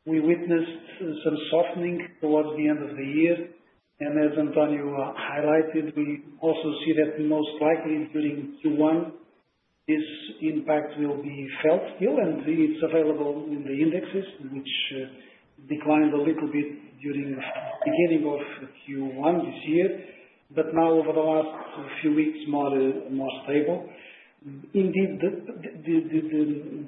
witnessed some softening towards the end of the year. And as António highlighted, we also see that most likely during Q1, this impact will be felt still, and it's available in the indexes, which declined a little bit during the beginning of Q1 this year, but now over the last few weeks, more stable. Indeed,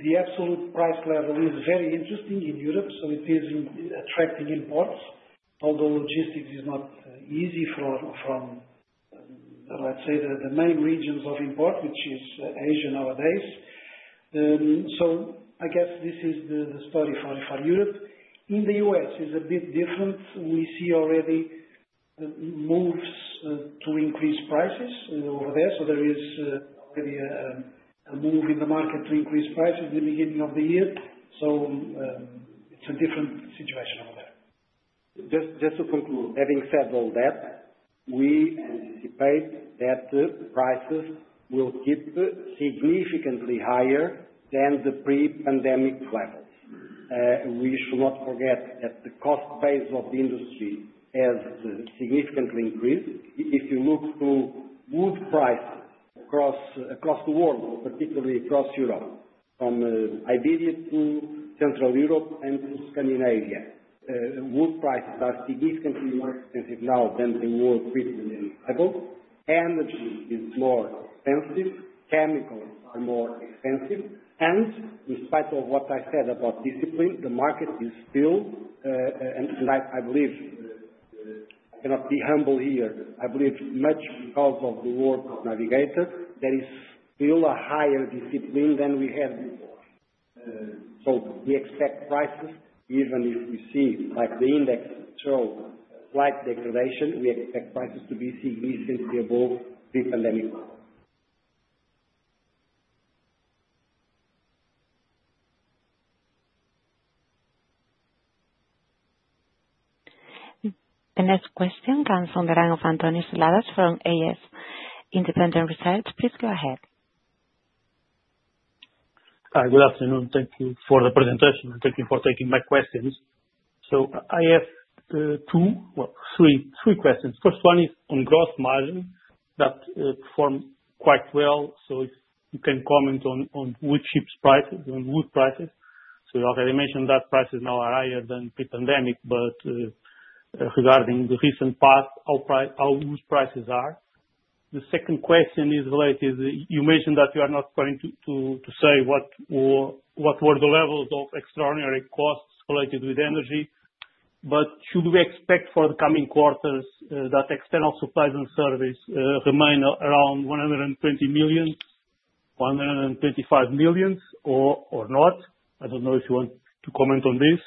the absolute price level is very interesting in Europe, so it is attracting imports, although logistics is not easy from, let's say, the main regions of import, which is Asia nowadays, so I guess this is the story for Europe. In the U.S., it's a bit different. We see already moves to increase prices over there, so there is already a move in the market to increase prices in the beginning of the year, so it's a different situation over there. Just to conclude, having said all that, we anticipate that prices will keep significantly higher than the pre-pandemic levels. We should not forget that the cost base of the industry has significantly increased. If you look to wood prices across the world, particularly across Europe, from Iberia to Central Europe and to Scandinavia, wood prices are significantly more expensive now than they were pre-pandemic levels. Energy is more expensive. Chemicals are more expensive. And in spite of what I said about discipline, the market is still, and I believe I cannot be humble here, I believe much because of the work of Navigator, there is still a higher discipline than we had before. So we expect prices, even if we see, like the index showed, slight degradation, we expect prices to be significantly above pre-pandemic levels. The next question comes from the line of António Seladas from AS Independent Research. Please go ahead. Hi, good afternoon. Thank you for the presentation and thank you for taking my questions. So I have two, well, three questions. First one is on gross margin that performed quite well. So if you can comment on wood chip prices, on wood prices. So you already mentioned that prices now are higher than pre-pandemic, but regarding the recent path, how wood prices are. The second question is related to you mentioned that you are not going to say what were the levels of extraordinary costs related with energy. But should we expect for the coming quarters that external supplies and services remain around 120 million-125 million, or not? I don't know if you want to comment on this.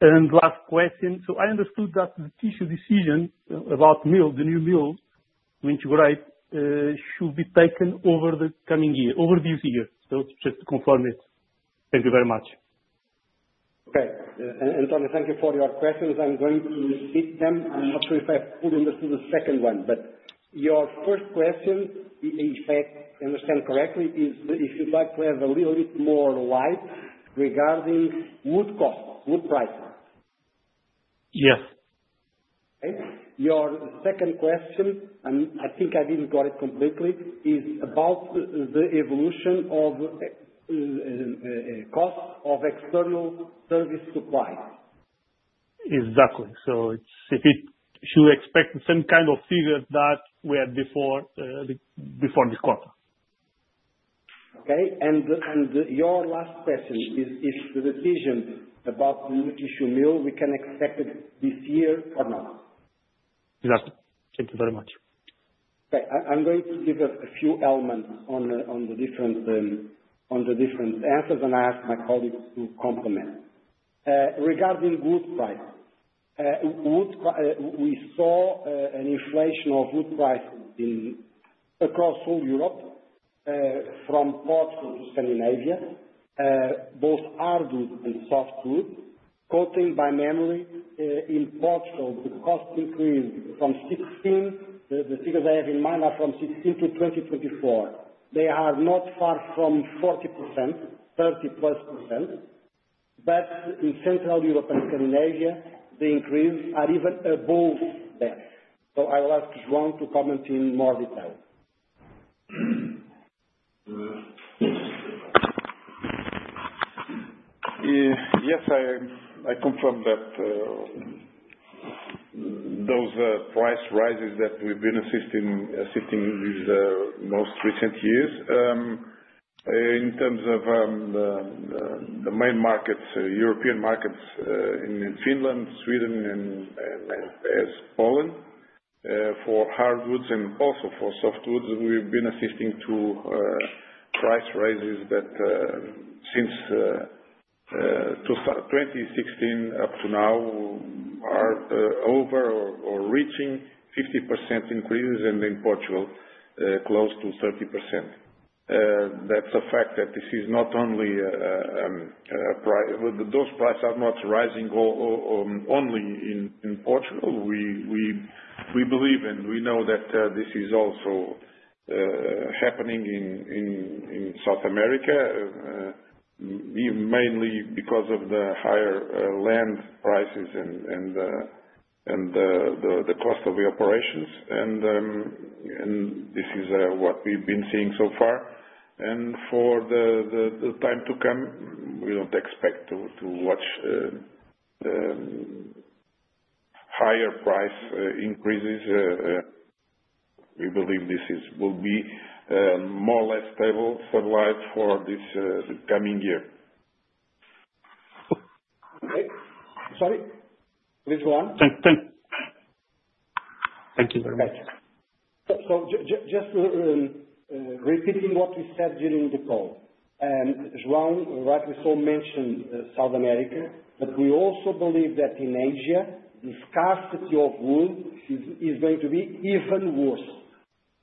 And last question. So I understood that the tissue division about mills, the new mills to integrate, should be taken over the coming year, over this year. So just to confirm it, thank you very much. Okay. António, thank you for your questions. I'm going to skip them. I'm not sure if I fully understood the second one. But your first question, if I understand correctly, is if you'd like to have a little bit more light regarding wood costs, wood prices. Yes. Okay. Your second question, and I think I didn't get it completely, is about the evolution of costs of external service supplies. Exactly. So should we expect the same kind of figures that we had before this quarter? Okay, and your last question is if the decision about the new tissue mill we can expect it this year or not? Exactly. Thank you very much. Okay. I'm going to give a few elements on the different answers, and I ask my colleagues to complement. Regarding wood prices, we saw an inflation of wood prices across all Europe, from Portugal to Scandinavia, both hardwood and softwood. Quoting by memory, in Portugal, the cost increased from 2016. The figures I have in mind are from 2016 to 2024. They are not far from 40%, 30%+. But in Central Europe and Scandinavia, the increases are even above that. So I'll ask João to comment in more detail. Yes, I confirm that those price rises that we've been witnessing with the most recent years in terms of the main markets, European markets in Finland, Sweden, and Poland for hardwoods and also for softwoods, we've been witnessing to price raises that since 2016 up to now are over or reaching 50% increases, and in Portugal, close to 30%. That's a fact that this is not only those prices are not rising only in Portugal. We believe and we know that this is also happening in South America, mainly because of the higher land prices and the cost of the operations. For the time to come, we don't expect to see higher price increases. We believe this will be more or less stable for a while for this coming year. Okay. Sorry. Please go on. Thank you. Thank you very much. Thank you. So just repeating what we said during the call, João, right, we saw mentioned South America, but we also believe that in Asia, the scarcity of wood is going to be even worse.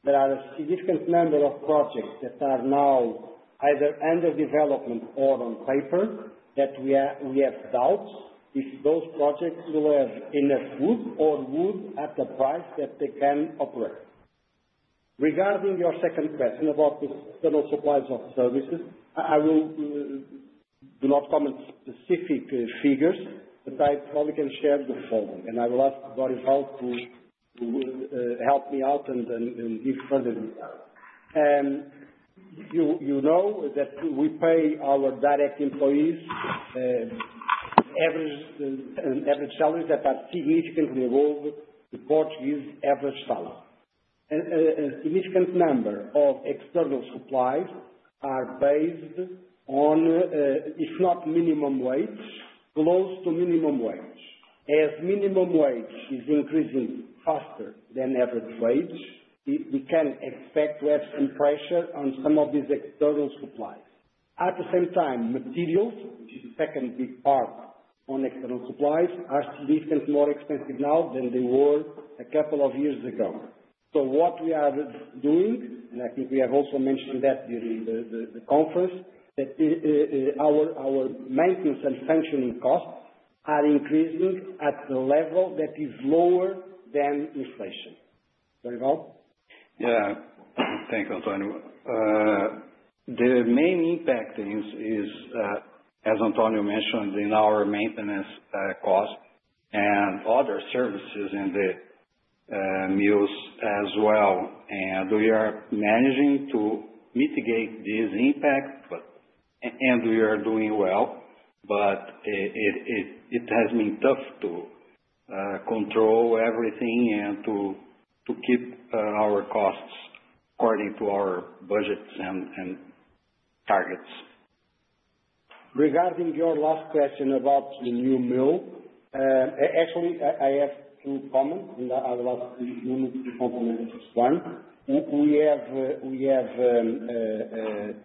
There are a significant number of projects that are now either under development or on paper that we have doubts if those projects will have enough wood or wood at the price that they can operate. Regarding your second question about external supplies of services, I will not comment on specific figures, but I probably can share the following. And I will ask Dorival to help me out and give further details. You know that we pay our direct employees average salaries that are significantly above the Portuguese average salary. A significant number of external supplies are based on, if not minimum wage, close to minimum wage. As minimum wage is increasing faster than average wage, we can expect to have some pressure on some of these external supplies. At the same time, materials, which is the second big part on external supplies, are significantly more expensive now than they were a couple of years ago. So what we are doing, and I think we have also mentioned that during the conference, that our maintenance and functioning costs are increasing at a level that is lower than inflation. Dorival? Yeah. Thank you, António. The main impact is, as António mentioned, in our maintenance costs and other services in the mills as well. And we are managing to mitigate these impacts, and we are doing well. But it has been tough to control everything and to keep our costs according to our budgets and targets. Regarding your last question about the new mill, actually, I have two comments, and I'll ask Nuno to complement this one. We have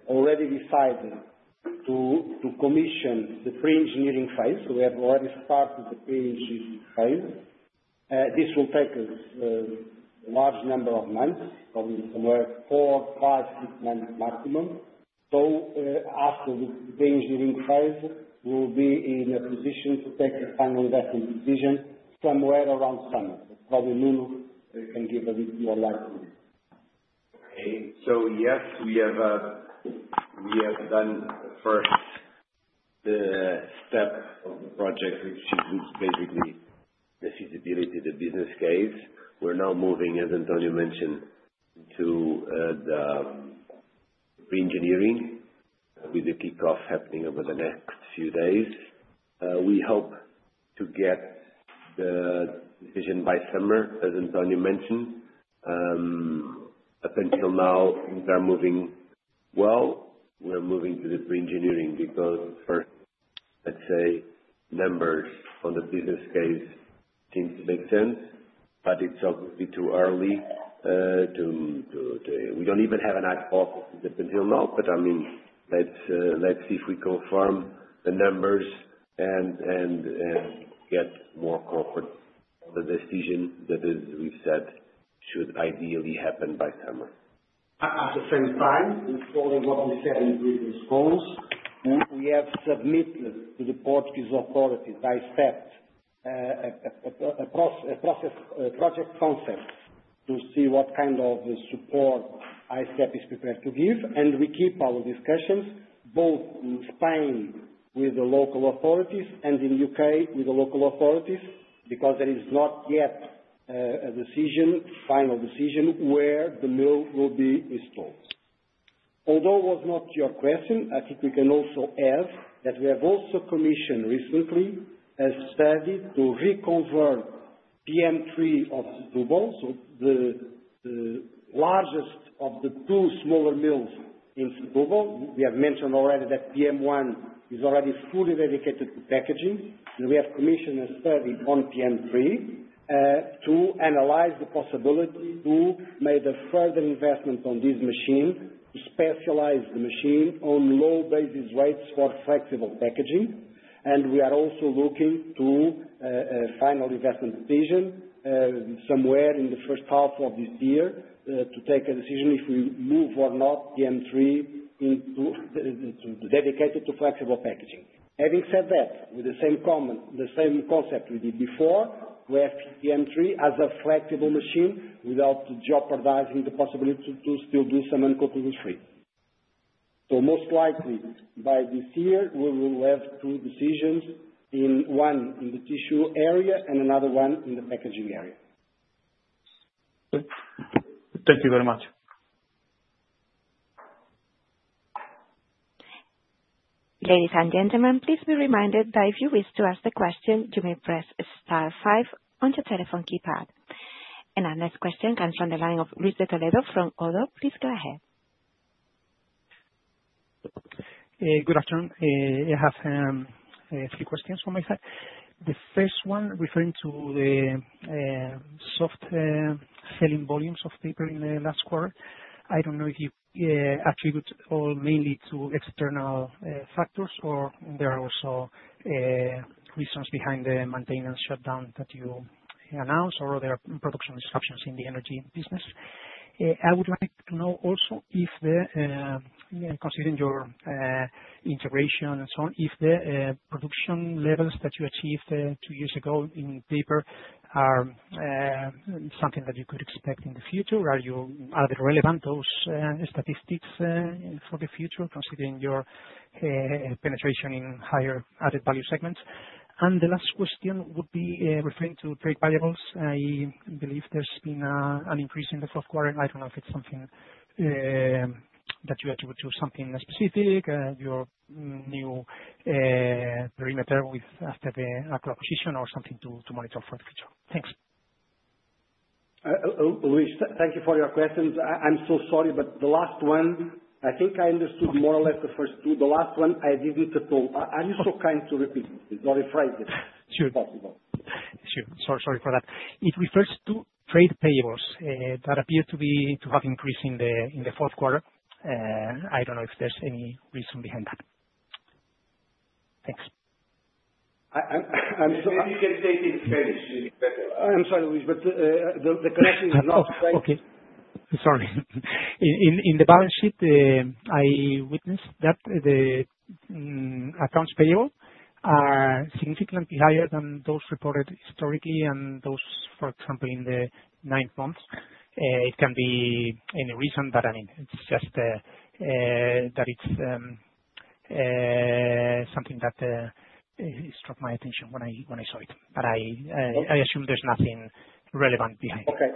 already decided to commission the pre-engineering phase, so we have already started the pre-engineering phase. This will take us a large number of months, probably somewhere four, five, six months maximum, so after the pre-engineering phase, we will be in a position to take a final investment decision somewhere around summer. Probably Nuno can give a bit more light on this. Okay. So yes, we have done the first step of the project, which is basically the feasibility, the business case. We're now moving, as António mentioned, to the pre-engineering, with the kickoff happening over the next few days. We hope to get the decision by summer, as António mentioned. Up until now, things are moving well. We're moving to the pre-engineering because the first, let's say, numbers on the business case seem to make sense. But it's obviously too early. We don't even have an PO, up until now. But I mean, let's see if we confirm the numbers and get more confidence on the decision that, as we've said, should ideally happen by summer. At the same time, following what we said in previous calls, we have submitted to the Portuguese authorities, AICEP, a project concept to see what kind of support AICEP is prepared to give, and we keep our discussions, both in Spain with the local authorities and in the U.K. with the local authorities, because there is not yet a decision, final decision, where the mill will be installed. Although it was not your question, I think we can also add that we have also commissioned recently a study to reconvert PM3 of Setúbal, so the largest of the two smaller mills in Setúbal. We have mentioned already that PM1 is already fully dedicated to packaging, and we have commissioned a study on PM3 to analyze the possibility to make a further investment on this machine, to specialize the machine on low basis weights for flexible packaging. We are also looking to a final investment decision somewhere in the first half of this year to take a decision if we move or not PM3 into dedicated to flexible packaging. Having said that, with the same concept we did before, we have PM3 as a flexible machine without jeopardizing the possibility to still do some uncoated wood-free. Most likely, by this year, we will have two decisions, one in the tissue area and another one in the packaging area. Thank you very much. Ladies and gentlemen, please be reminded that if you wish to ask a question, you may press star five on your telephone keypad. And our next question comes from the line of Luis De Toledo from ODDO. Please go ahead. Good afternoon. I have a few questions on my side. The first one referring to the softer selling volumes of paper in the last quarter. I don't know if you attribute it mainly to external factors, or there are also reasons behind the maintenance shutdown that you announced, or there are production disruptions in the energy business. I would like to know also if, considering your integration and so on, if the production levels that you achieved two years ago in paper are something that you could expect in the future. Are they relevant, those statistics, for the future, considering your penetration in higher added value segments? The last question would be referring to trade payables. I believe there's been an increase in the fourth quarter. I don't know if it's something that you attribute to something specific, your new perimeter after the acquisition, or something to monitor for the future. Thanks. Luis, thank you for your questions. I'm so sorry, but the last one, I think I understood more or less the first two. The last one, I didn't at all. Are you so kind to repeat it or rephrase it if possible? Sure. Sorry for that. It refers to trade payables that appear to have increased in the fourth quarter. I don't know if there's any reason behind that. Thanks. I'm sorry. You can say it in Spanish, Luis. I'm sorry, Luis, but the connection is not. Okay. Sorry. In the balance sheet, I witnessed that the accounts payable are significantly higher than those reported historically and those, for example, in the ninth month. It can be any reason, but I mean, it's just that it's something that struck my attention when I saw it. But I assume there's nothing relevant behind it. Okay.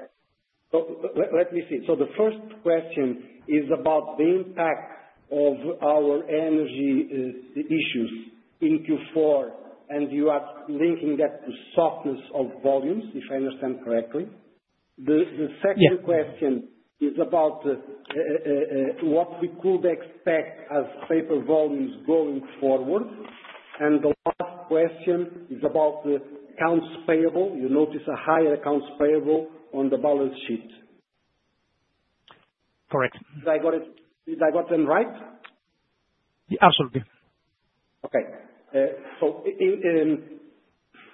Let me see. So the first question is about the impact of our energy issues in Q4, and you are linking that to softness of volumes, if I understand correctly. The second question is about what we could expect as paper volumes going forward. And the last question is about accounts payable. You notice a higher accounts payable on the balance sheet. Correct. Did I got them right? Absolutely. Okay, so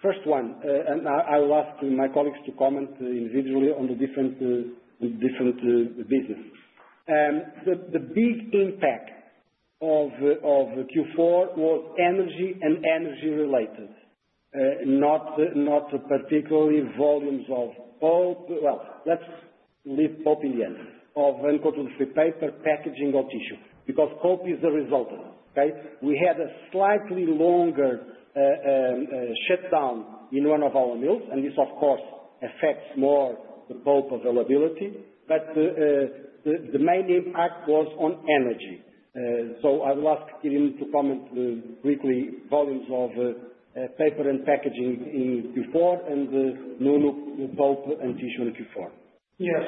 first one, and I will ask my colleagues to comment individually on the different businesses. The big impact of Q4 was energy and energy-related, not particularly volumes of pulp, well, let's leave pulp in the end, of uncoated paper, packaging, or tissue, because pulp is the resultant, okay? We had a slightly longer shutdown in one of our mills, and this, of course, affects more the pulp availability. But the main impact was on energy, so I will ask Quirino to comment briefly on volumes of paper and packaging in Q4, and Nuno, pulp and tissue in Q4. Yes.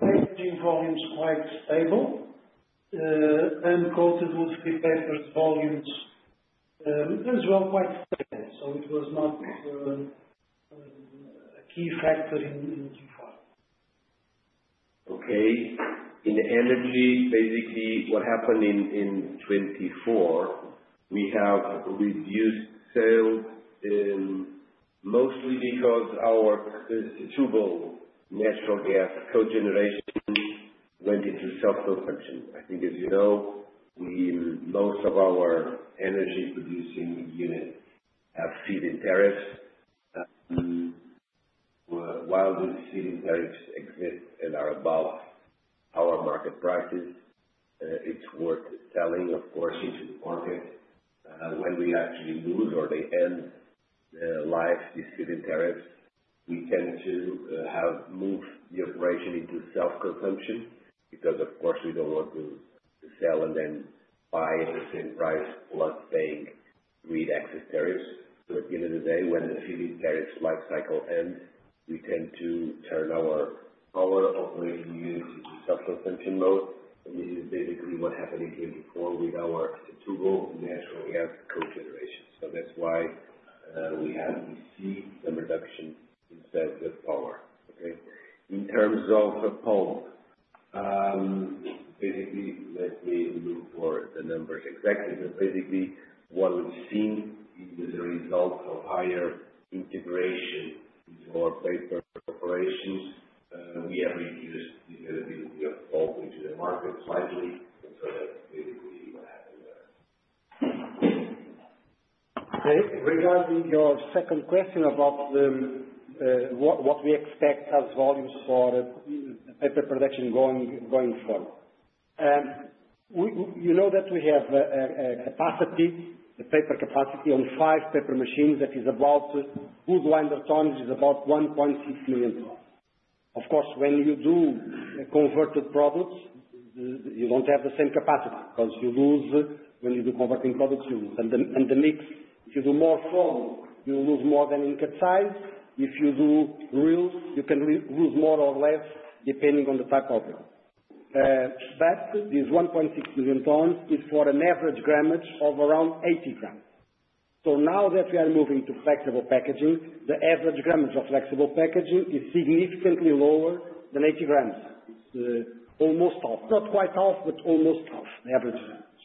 Packaging volumes quite stable. Uncoated paper volumes as well quite stable. So it was not a key factor in Q4. Okay. In energy, basically, what happened in 2024, we have reduced sales mostly because our Setúbal natural gas cogeneration went into self-consumption. I think, as you know, most of our energy-producing units have feed-in tariffs. While these feed-in tariffs exist and are above our market prices, it's worth selling, of course, into the market. When we actually lose or they end the lives, these feed-in tariffs, we tend to have moved the operation into self-consumption because, of course, we don't want to sell and then buy at the same price while paying grid exit tariffs. So at the end of the day, when the feed-in tariffs lifecycle ends, we tend to turn our power operating units into self-consumption mode. And this is basically what happened in 2024 with our Setúbal natural gas cogeneration. So that's why we have seen some reduction in sales of power, okay? In terms of pulp, basically, let me look for the numbers exactly. But basically, what we've seen is the result of higher integration into our paper operations. We have reduced the availability of pulp into the market slightly. And so that's basically what happened there. Okay. Regarding your second question about what we expect as volumes for paper production going forward, you know that we have a capacity, the paper capacity on five paper machines that is about good winder tonnage is about 1.6 million tons. Of course, when you do converted products, you don't have the same capacity because you lose when you do converting products, you lose. And the mix, if you do more foam, you lose more than in cut size. If you do reels, you can lose more or less depending on the type of reel. But this 1.6 million tons is for an average grammage of around 80 grams. So now that we are moving to flexible packaging, the average grammage of flexible packaging is significantly lower than 80 grams. It's almost half, not quite half, but almost half, the average grammage.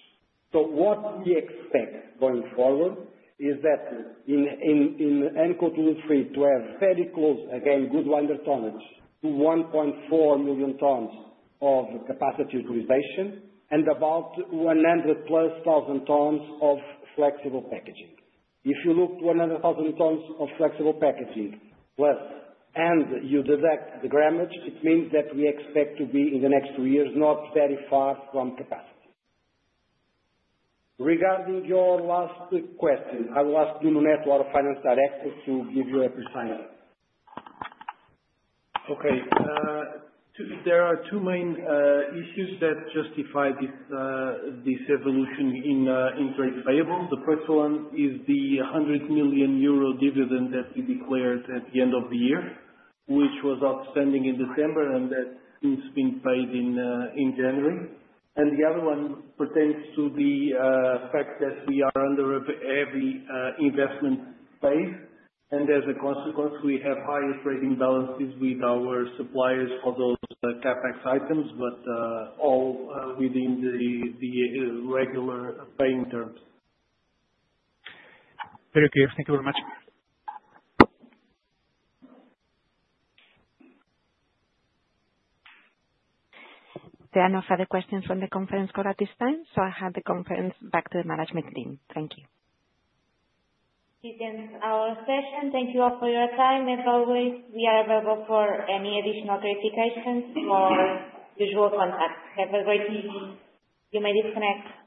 So what we expect going forward is that in uncoated wood-free, to have very close again to good volume tonnage to 1.4 million tons of capacity utilization and about 100,000+ tons of flexible packaging. If you look to 100,000 tons of flexible packaging plus, and you deduct the grammage, it means that we expect to be in the next two years not very far from capacity. Regarding your last question, I will ask Nuno Santos or the finance director to give you a precise. Okay. There are two main issues that justify this evolution in trade payables. The first one is the 100 million euro dividend that we declared at the end of the year, which was outstanding in December, and that has since been paid in January. The other one pertains to the fact that we are under a heavy investment phase. As a consequence, we have higher trading balances with our suppliers for those CapEx items, but all within the regular paying terms. Very clear. Thank you very much. There are no further questions from the conference call at this time. So I hand the conference back to the management team. Thank you. To end our session, thank you all for your time. As always, we are available for any additional clarifications or usual contact. Have a great evening. You may disconnect.